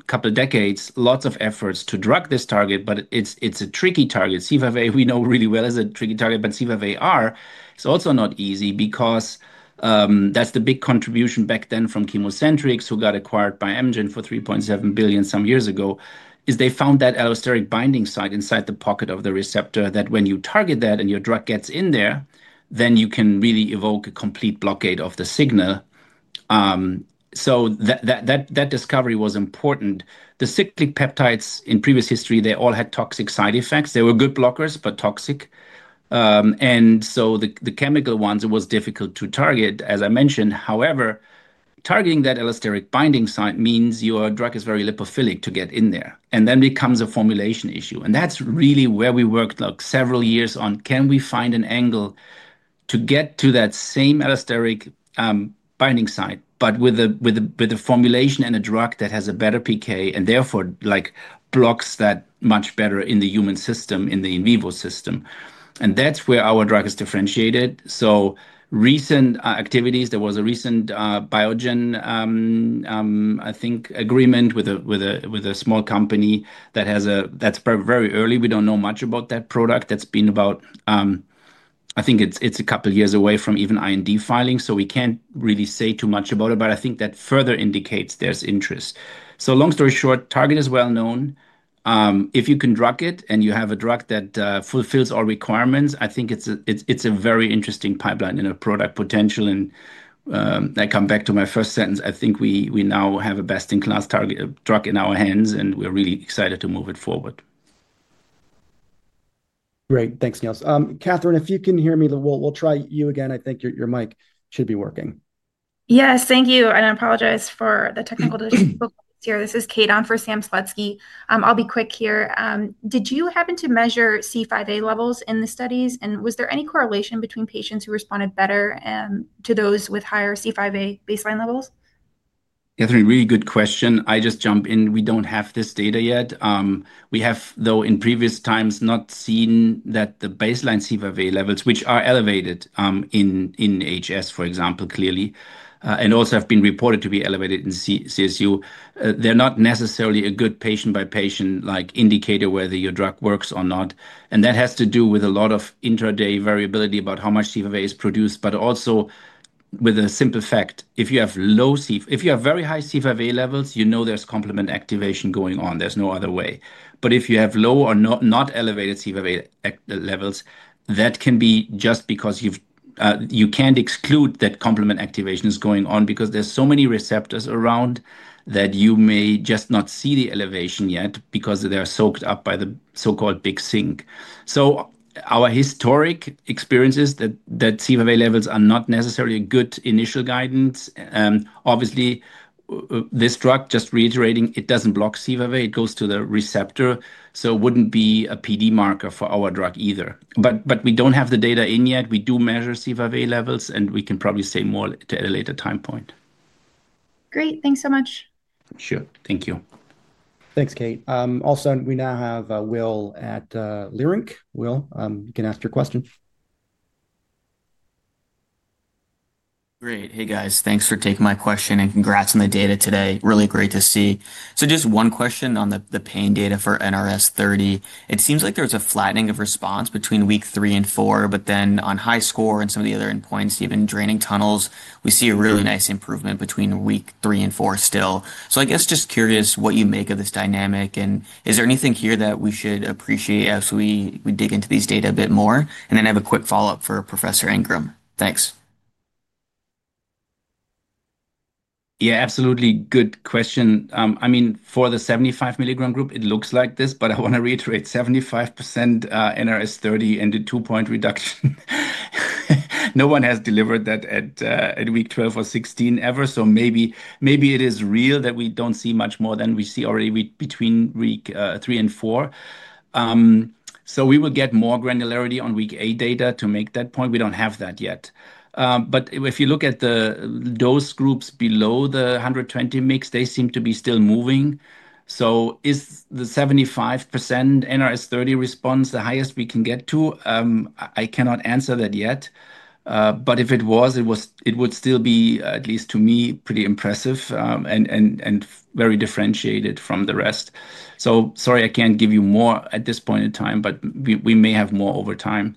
couple of decades, lots of efforts to drug this target, but it's, it's a tricky target. C5a, we know really well is a tricky target, but C5aR, it's also not easy because, that's the big contribution back then from chemocentrics who got acquired by Amgen for 3.7 billion some years ago, is they found that allosteric binding site inside the pocket of the receptor that when you target that and your drug gets in there, then you can really evoke a complete blockade of the signal. so that, that, that, that discovery was important. The cyclic peptides in previous history, they all had toxic side effects. They were good blockers, but toxic. and so the, the chemical ones, it was difficult to target, as I mentioned. However, targeting that allosteric binding site means your drug is very lipophilic to get in there. And then becomes a formulation issue. And that's really where we worked like several years on. Can we find an angle to get to that same allosteric, binding site, but with a, with a, with a formulation and a drug that has a better PK and therefore like blocks that much better in the human system, in the in vivo system? And that's where our drug is differentiated. So recent, activities, there was a recent, Biogen, I think agreement with a, with a, with a small company that has a, that's very, very early. We don't know much about that product. That's been about, I think it's, it's a couple of years away from even IND filing, so we can't really say too much about it, but I think that further indicates there's interest. So long story short, target is well known. if you can drug it and you have a drug that, fulfills our requirements, I think it's a, it's, it's a very interesting pipeline and a product potential. And, I come back to my first sentence. I think we, we now have a best in class target drug in our hands and we are really excited to move it forward. Great. Thanks, Niels. Katherine, if you can hear me, we'll, we'll try you again. I think your, your mic should be working. Yes. Thank you. And I apologize for the technical difficulties here. This is Kate on for Sam Sletsky. I'll be quick here. did you happen to measure C5a levels in the studies and was there any correlation between patients who responded better, to those with higher C5a baseline levels? Katherine, really good question. I just jump in. We don't have this data yet. We have though in previous times not seen that the baseline C5a levels, which are elevated, in, in HS, for example, clearly, and also have been reported to be elevated in CSU, they're not necessarily a good patient by patient like indicator whether your drug works or not. And that has to do with a lot of intraday variability about how much C5a is produced, but also with a simple fact, if you have low C, if you have very high C5a levels, you know there's complement activation going on. There's no other way. But if you have low or not, not elevated C5a levels, that can be just because you've, you can't exclude that complement activation is going on because there's so many receptors around that you may just not see the elevation yet because they're soaked up by the so-called big sink. So our historic experiences that, that C5a levels are not necessarily a good initial guidance. obviously, this drug, just reiterating, it doesn't block C5a, it goes to the receptor, so it wouldn't be a PD marker for our drug either. But, but we don't have the data in yet. We do measure C5a levels and we can probably say more at a later time point. Great. Thanks so much. Sure. Thank you. Thanks, Kate. also we now have Will at, Leerink. Will, you can ask your question. Great. Hey guys, thanks for taking my question and congrats on the data today. Really great to see. So just one question on the, the pain data for NRS30. It seems like there's a flattening of response between week three and four, but then on high score and some of the other endpoints, even draining tunnels, we see a really nice improvement between week three and four still. So I guess just curious what you make of this dynamic and is there anything here that we should appreciate as we, we dig into these data a bit more? And then I have a quick follow-up for Professor Ingram. Thanks. Yeah, absolutely. Good question. I mean, for the 75 mg group, it looks like this, but I wanna reiterate 75%, NRS30 and the two point reduction. No one has delivered that at, at week 12 or 16 ever. So maybe, maybe it is real that we don't see much more than we see already week between week, three and four. So we will get more granularity on week eight data to make that point. We don't have that yet. but if you look at the dose groups below the 120 mix, they seem to be still moving. So is the 75% NRS30 response the highest we can get to? I cannot answer that yet. but if it was, it was, it would still be at least to me pretty impressive, and, and, and very differentiated from the rest. So sorry, I can't give you more at this point in time, but we, we may have more over time.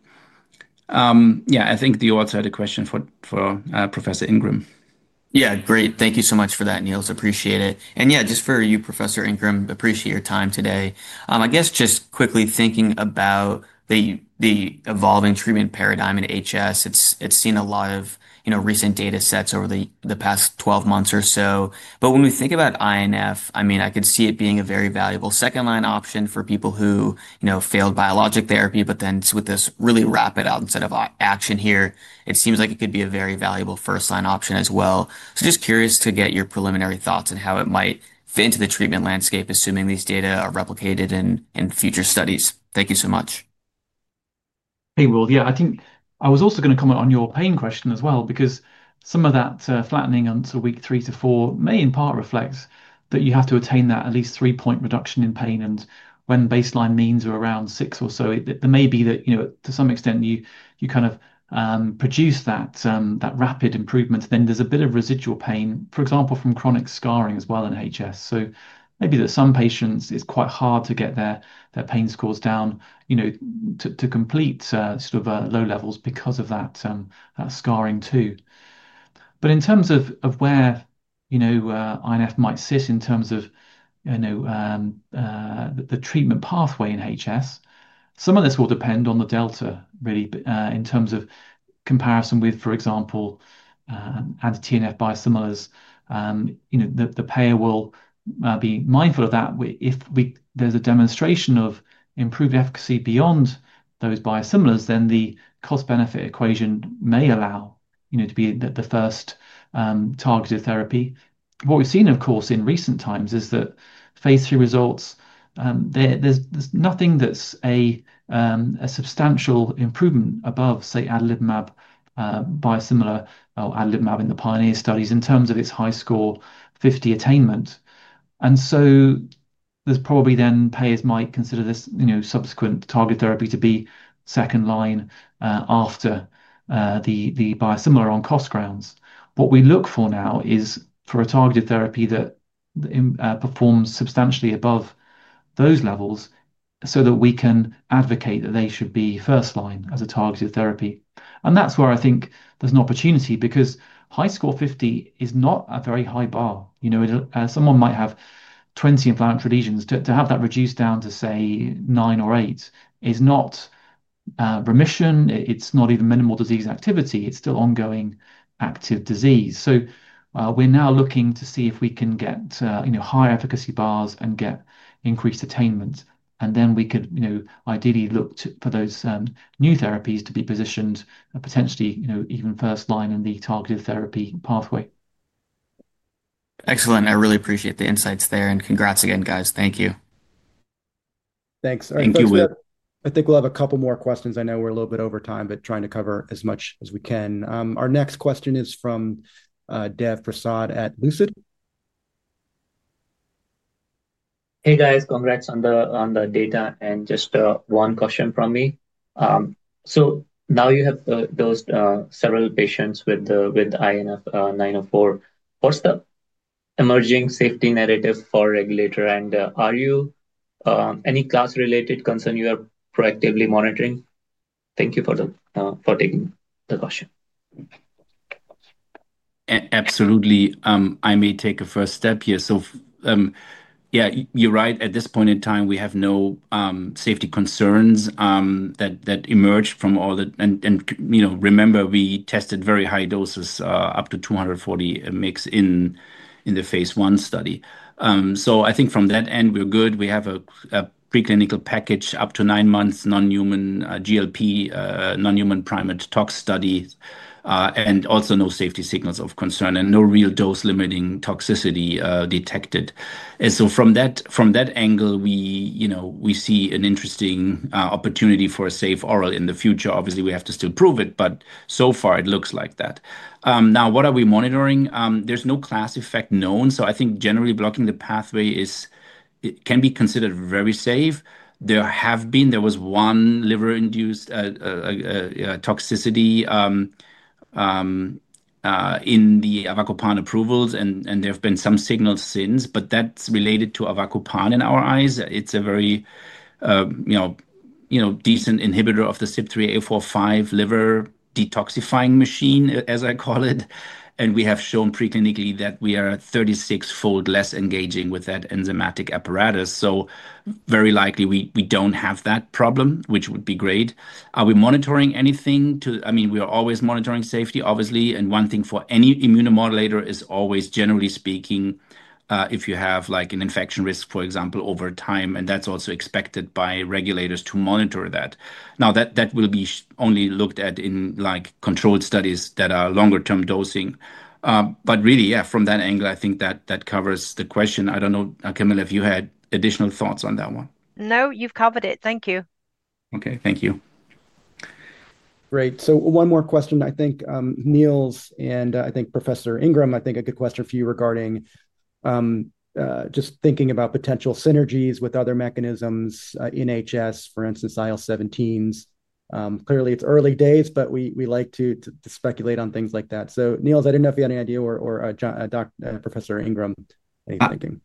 yeah, I think the author had a question for, for, Professor Ingram. Yeah. Great. Thank you so much for that, Niels. Appreciate it. And yeah, just for you, Professor Ingram, appreciate your time today. I guess just quickly thinking about the, the evolving treatment paradigm in HS, it's, it's seen a lot of, you know, recent data sets over the, the past 12 months or so, but when we think about INF, I mean, I could see it being a very valuable second line option for people who, you know, failed biologic therapy, but then it's with this really rapid onset of action here. It seems like it could be a very valuable first line option as well, so just curious to get your preliminary thoughts on how it might fit into the treatment landscape, assuming these data are replicated in, in future studies. Thank you so much. Hey Will, yeah, I think I was also gonna comment on your pain question as well, because some of that flattening until week three to four may in part reflect that you have to attain that at least three point reduction in pain. And when baseline means are around six or so, it may be that, you know, to some extent you kind of produce that rapid improvement. Then there's a bit of residual pain, for example, from chronic scarring as well in HS. So maybe that some patients it's quite hard to get their pain scores down, you know, to complete, sort of, low levels because of that scarring too. But in terms of, of where, you know, INF might sit in terms of, you know, the treatment pathway in HS, some of this will depend on the delta really, in terms of comparison with, for example, anti-TNF biosimilars. you know, the, the payer will, be mindful of that. If we, there's a demonstration of improved efficacy beyond those biosimilars, then the cost benefit equation may allow, you know, to be the, the first, targeted therapy. What we've seen, of course, in recent times is that phase III results, there, there's, there's nothing that's a, a substantial improvement above, say, Adalimumab, biosimilar or Adalimumab in the pioneer studies in terms of its high score 50 attainment. And so there's probably then payers might consider this, you know, subsequent target therapy to be second line, after, the, the biosimilar on cost grounds. What we look for now is for a targeted therapy that performs substantially above those levels so that we can advocate that they should be first line as a targeted therapy, and that's where I think there's an opportunity because HISCR50 is not a very high bar. You know, someone might have 20 inflammatory lesions to have that reduced down to say nine or eight is not remission. It's not even minimal disease activity. It's still ongoing active disease, so we are now looking to see if we can get, you know, higher efficacy bars and get increased attainment, and then we could, you know, ideally look to for those new therapies to be positioned potentially, you know, even first line in the targeted therapy pathway. Excellent. I really appreciate the insights there and congrats again, guys. Thank you. Thanks. Thank you, Will. I think we'll have a couple more questions. I know we're a little bit over time, but trying to cover as much as we can. Our next question is from Dev Prasad at Lucid. Hey guys, congrats on the data. And just one question from me. So now you have those several patients with the INF904. What's the emerging safety narrative for regulator? And are you any class related concern you are proactively monitoring? Thank you for taking the question. Absolutely. I may take a first step here. So, yeah, you're right. At this point in time, we have no safety concerns that emerged from all the, and you know, remember we tested very high doses, up to 240 mg in the phase I study. So I think from that end we are good. We have a preclinical package up to nine months, non-human, GLP, non-human primate tox study, and also no safety signals of concern and no real dose limiting toxicity detected. From that angle, we, you know, we see an interesting opportunity for a safe oral in the future. Obviously, we have to still prove it, but so far it looks like that. Now what are we monitoring? There's no class effect known. I think generally blocking the pathway is, it can be considered very safe. There have been, there was one liver induced toxicity in the Avacopan approvals and there've been some signals since, but that's related to Avacopan in our eyes. It's a very, you know, you know, decent inhibitor of the CYP3A45 liver detoxifying machine, as I call it. And we have shown preclinically that we are 36 fold less engaging with that enzymatic apparatus. So very likely we, we don't have that problem, which would be great. Are we monitoring anything to, I mean, we are always monitoring safety obviously. And one thing for any immunomodulator is always generally speaking, if you have like an infection risk, for example, over time, and that's also expected by regulators to monitor that. Now that, that will be only looked at in like controlled studies that are longer term dosing. but really, yeah, from that angle, I think that, that covers the question. I don't know, Camilla, if you had additional thoughts on that one. No, you've covered it. Thank you. Okay. Thank you. Great. One more question, I think, Niels and, I think Professor Ingram, I think a good question for you regarding, just thinking about potential synergies with other mechanisms, in HS, for instance, IL-17s. Clearly it's early days, but we like to speculate on things like that. Niels, I don't know if you had any idea or, John, Doc, Professor Ingram, anything?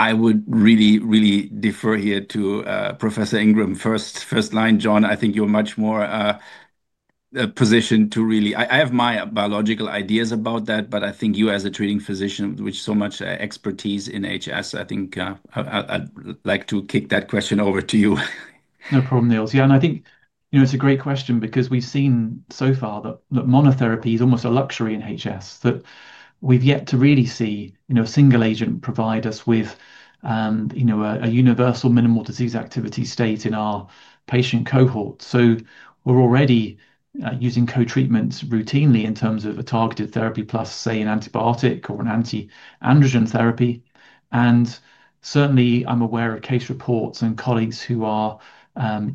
I would really defer here to Professor Ingram first, first line, John. I think you are much more positioned to really, I have my biological ideas about that, but I think you as a treating physician, with so much expertise in HS, I think, I'd like to kick that question over to you. No problem, Niels. Yeah. And I think, you know, it's a great question because we've seen so far that, that monotherapy is almost a luxury in HS that we've yet to really see, you know, a single agent provide us with, you know, a, a universal minimal disease activity state in our patient cohort. So we're already, using co-treatments routinely in terms of a targeted therapy plus, say, an antibiotic or an anti-androgen therapy. And certainly I'm aware of case reports and colleagues who are,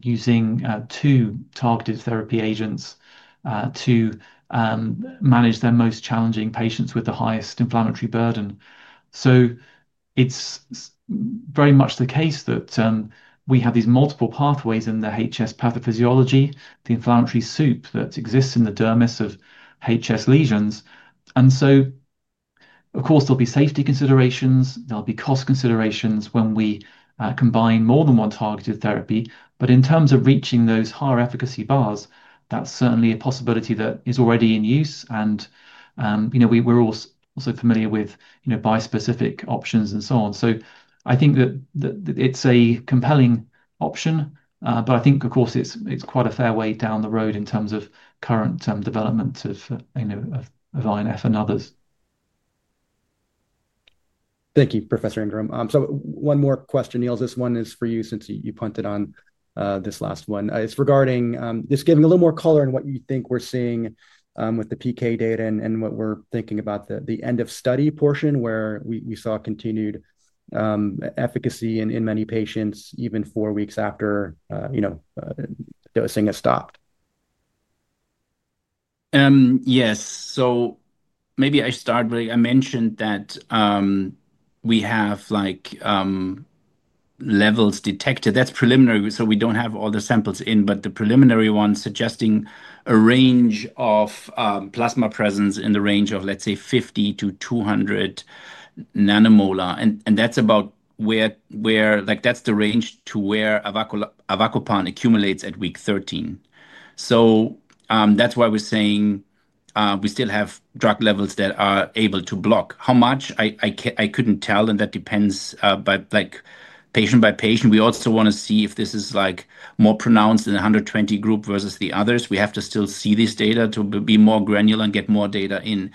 using, two targeted therapy agents, to, manage their most challenging patients with the highest inflammatory burden. So it's very much the case that, we have these multiple pathways in the HS pathophysiology, the inflammatory soup that exists in the dermis of HS lesions. And so of course there'll be safety considerations, there'll be cost considerations when we, combine more than one targeted therapy. But in terms of reaching those higher efficacy bars, that's certainly a possibility that is already in use. And, you know, we, we're also familiar with, you know, bispecific options and so on. So I think that, that it's a compelling option. but I think of course it's, it's quite a fair way down the road in terms of current, development of, you know, of, of INF and others. Thank you, Professor Ingram. so one more question, Niels. This one is for you since you, you punted on, this last one. it's regarding, just giving a little more color in what you think we're seeing, with the PK data and, and what we're thinking about the, the end of study portion where we, we saw continued, efficacy in, in many patients even four weeks after, you know, dosing has stopped. Yes. So maybe I start with, I mentioned that, we have like, levels detected. That's preliminary. So we don't have all the samples in, but the preliminary one suggesting a range of, plasma presence in the range of, let's say, 50 to 200 nanomolar. And, and that's about where, where like, that's the range to where Avacopan accumulates at week 13. So, that's why we're saying, we still have drug levels that are able to block how much I, I can, I couldn't tell. And that depends, by like patient by patient. We also wanna see if this is like more pronounced in the 120 group versus the others. We have to still see this data to be more granular and get more data in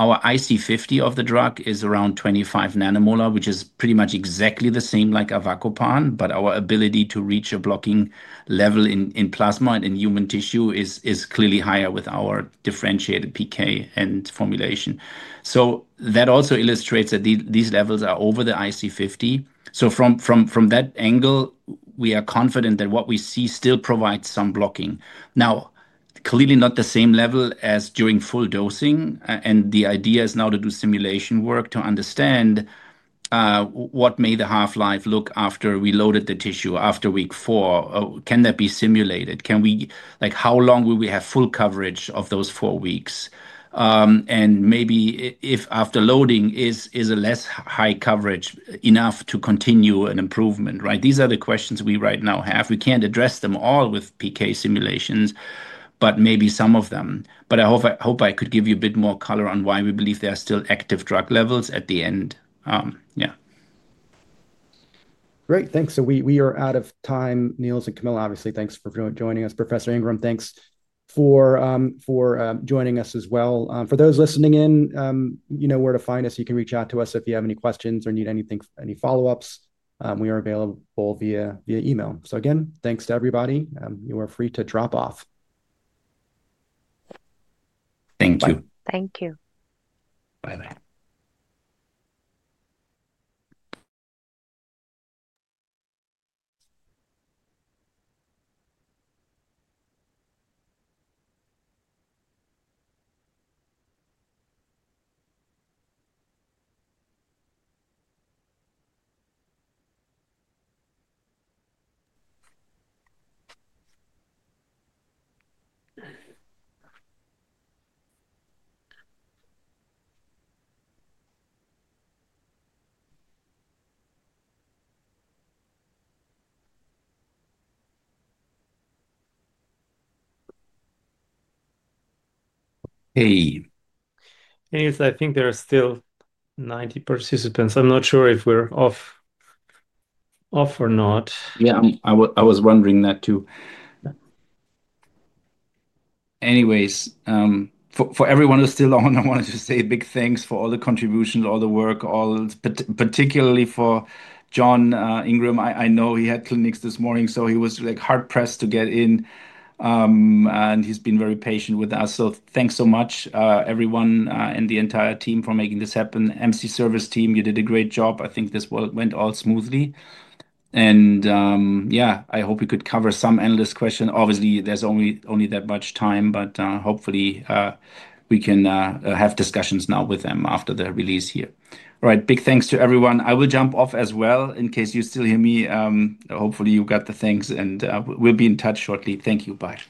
our IC50 of the drug is around 25 nanomolar, which is pretty much exactly the same like Avacopan. But our ability to reach a blocking level in, in plasma and in human tissue is, is clearly higher with our differentiated PK and formulation. So that also illustrates that these, these levels are over the IC50. So from, from, from that angle, we are confident that what we see still provides some blocking. Now, clearly not the same level as during full dosing. And the idea is now to do simulation work to understand, what may the half life look after we loaded the tissue after week four? Can that be simulated? Can we, like, how long will we have full coverage of those four weeks? and maybe if after loading is, is a less high coverage enough to continue an improvement, right? These are the questions we right now have. We can't address them all with PK simulations, but maybe some of them. But I hope, I hope I could give you a bit more color on why we believe there are still active drug levels at the end. yeah. Great. Thanks. So we, we are out of time, Niels and Camilla. Obviously, thanks for joining us. Professor Ingram, thanks for, for, joining us as well. for those listening in, you know where to find us. You can reach out to us if you have any questions or need anything, any follow-ups. we are available via, via email. So again, thanks to everybody. you are free to drop off. Thank you. Thank you. Bye-bye. Hey. Hey, so I think there are still 90 participants. I'm not sure if we're off, off or not. Yeah, I was, I was wondering that too. Anyways, for, for everyone who's still on, I wanted to say big thanks for all the contributions, all the work, all, but particularly for John, Ingram. I, I know he had clinics this morning, so he was like hard pressed to get in. and he's been very patient with us. So thanks so much, everyone, and the entire team for making this happen. MC service team, you did a great job. I think this went all smoothly. And, yeah, I hope we could cover some analyst question. Obviously, there's only, only that much time, but, hopefully, we can, have discussions now with them after the release here. All right. Big thanks to everyone. I will jump off as well in case you still hear me. hopefully you got the thanks and, we'll be in touch shortly. Thank you. Bye.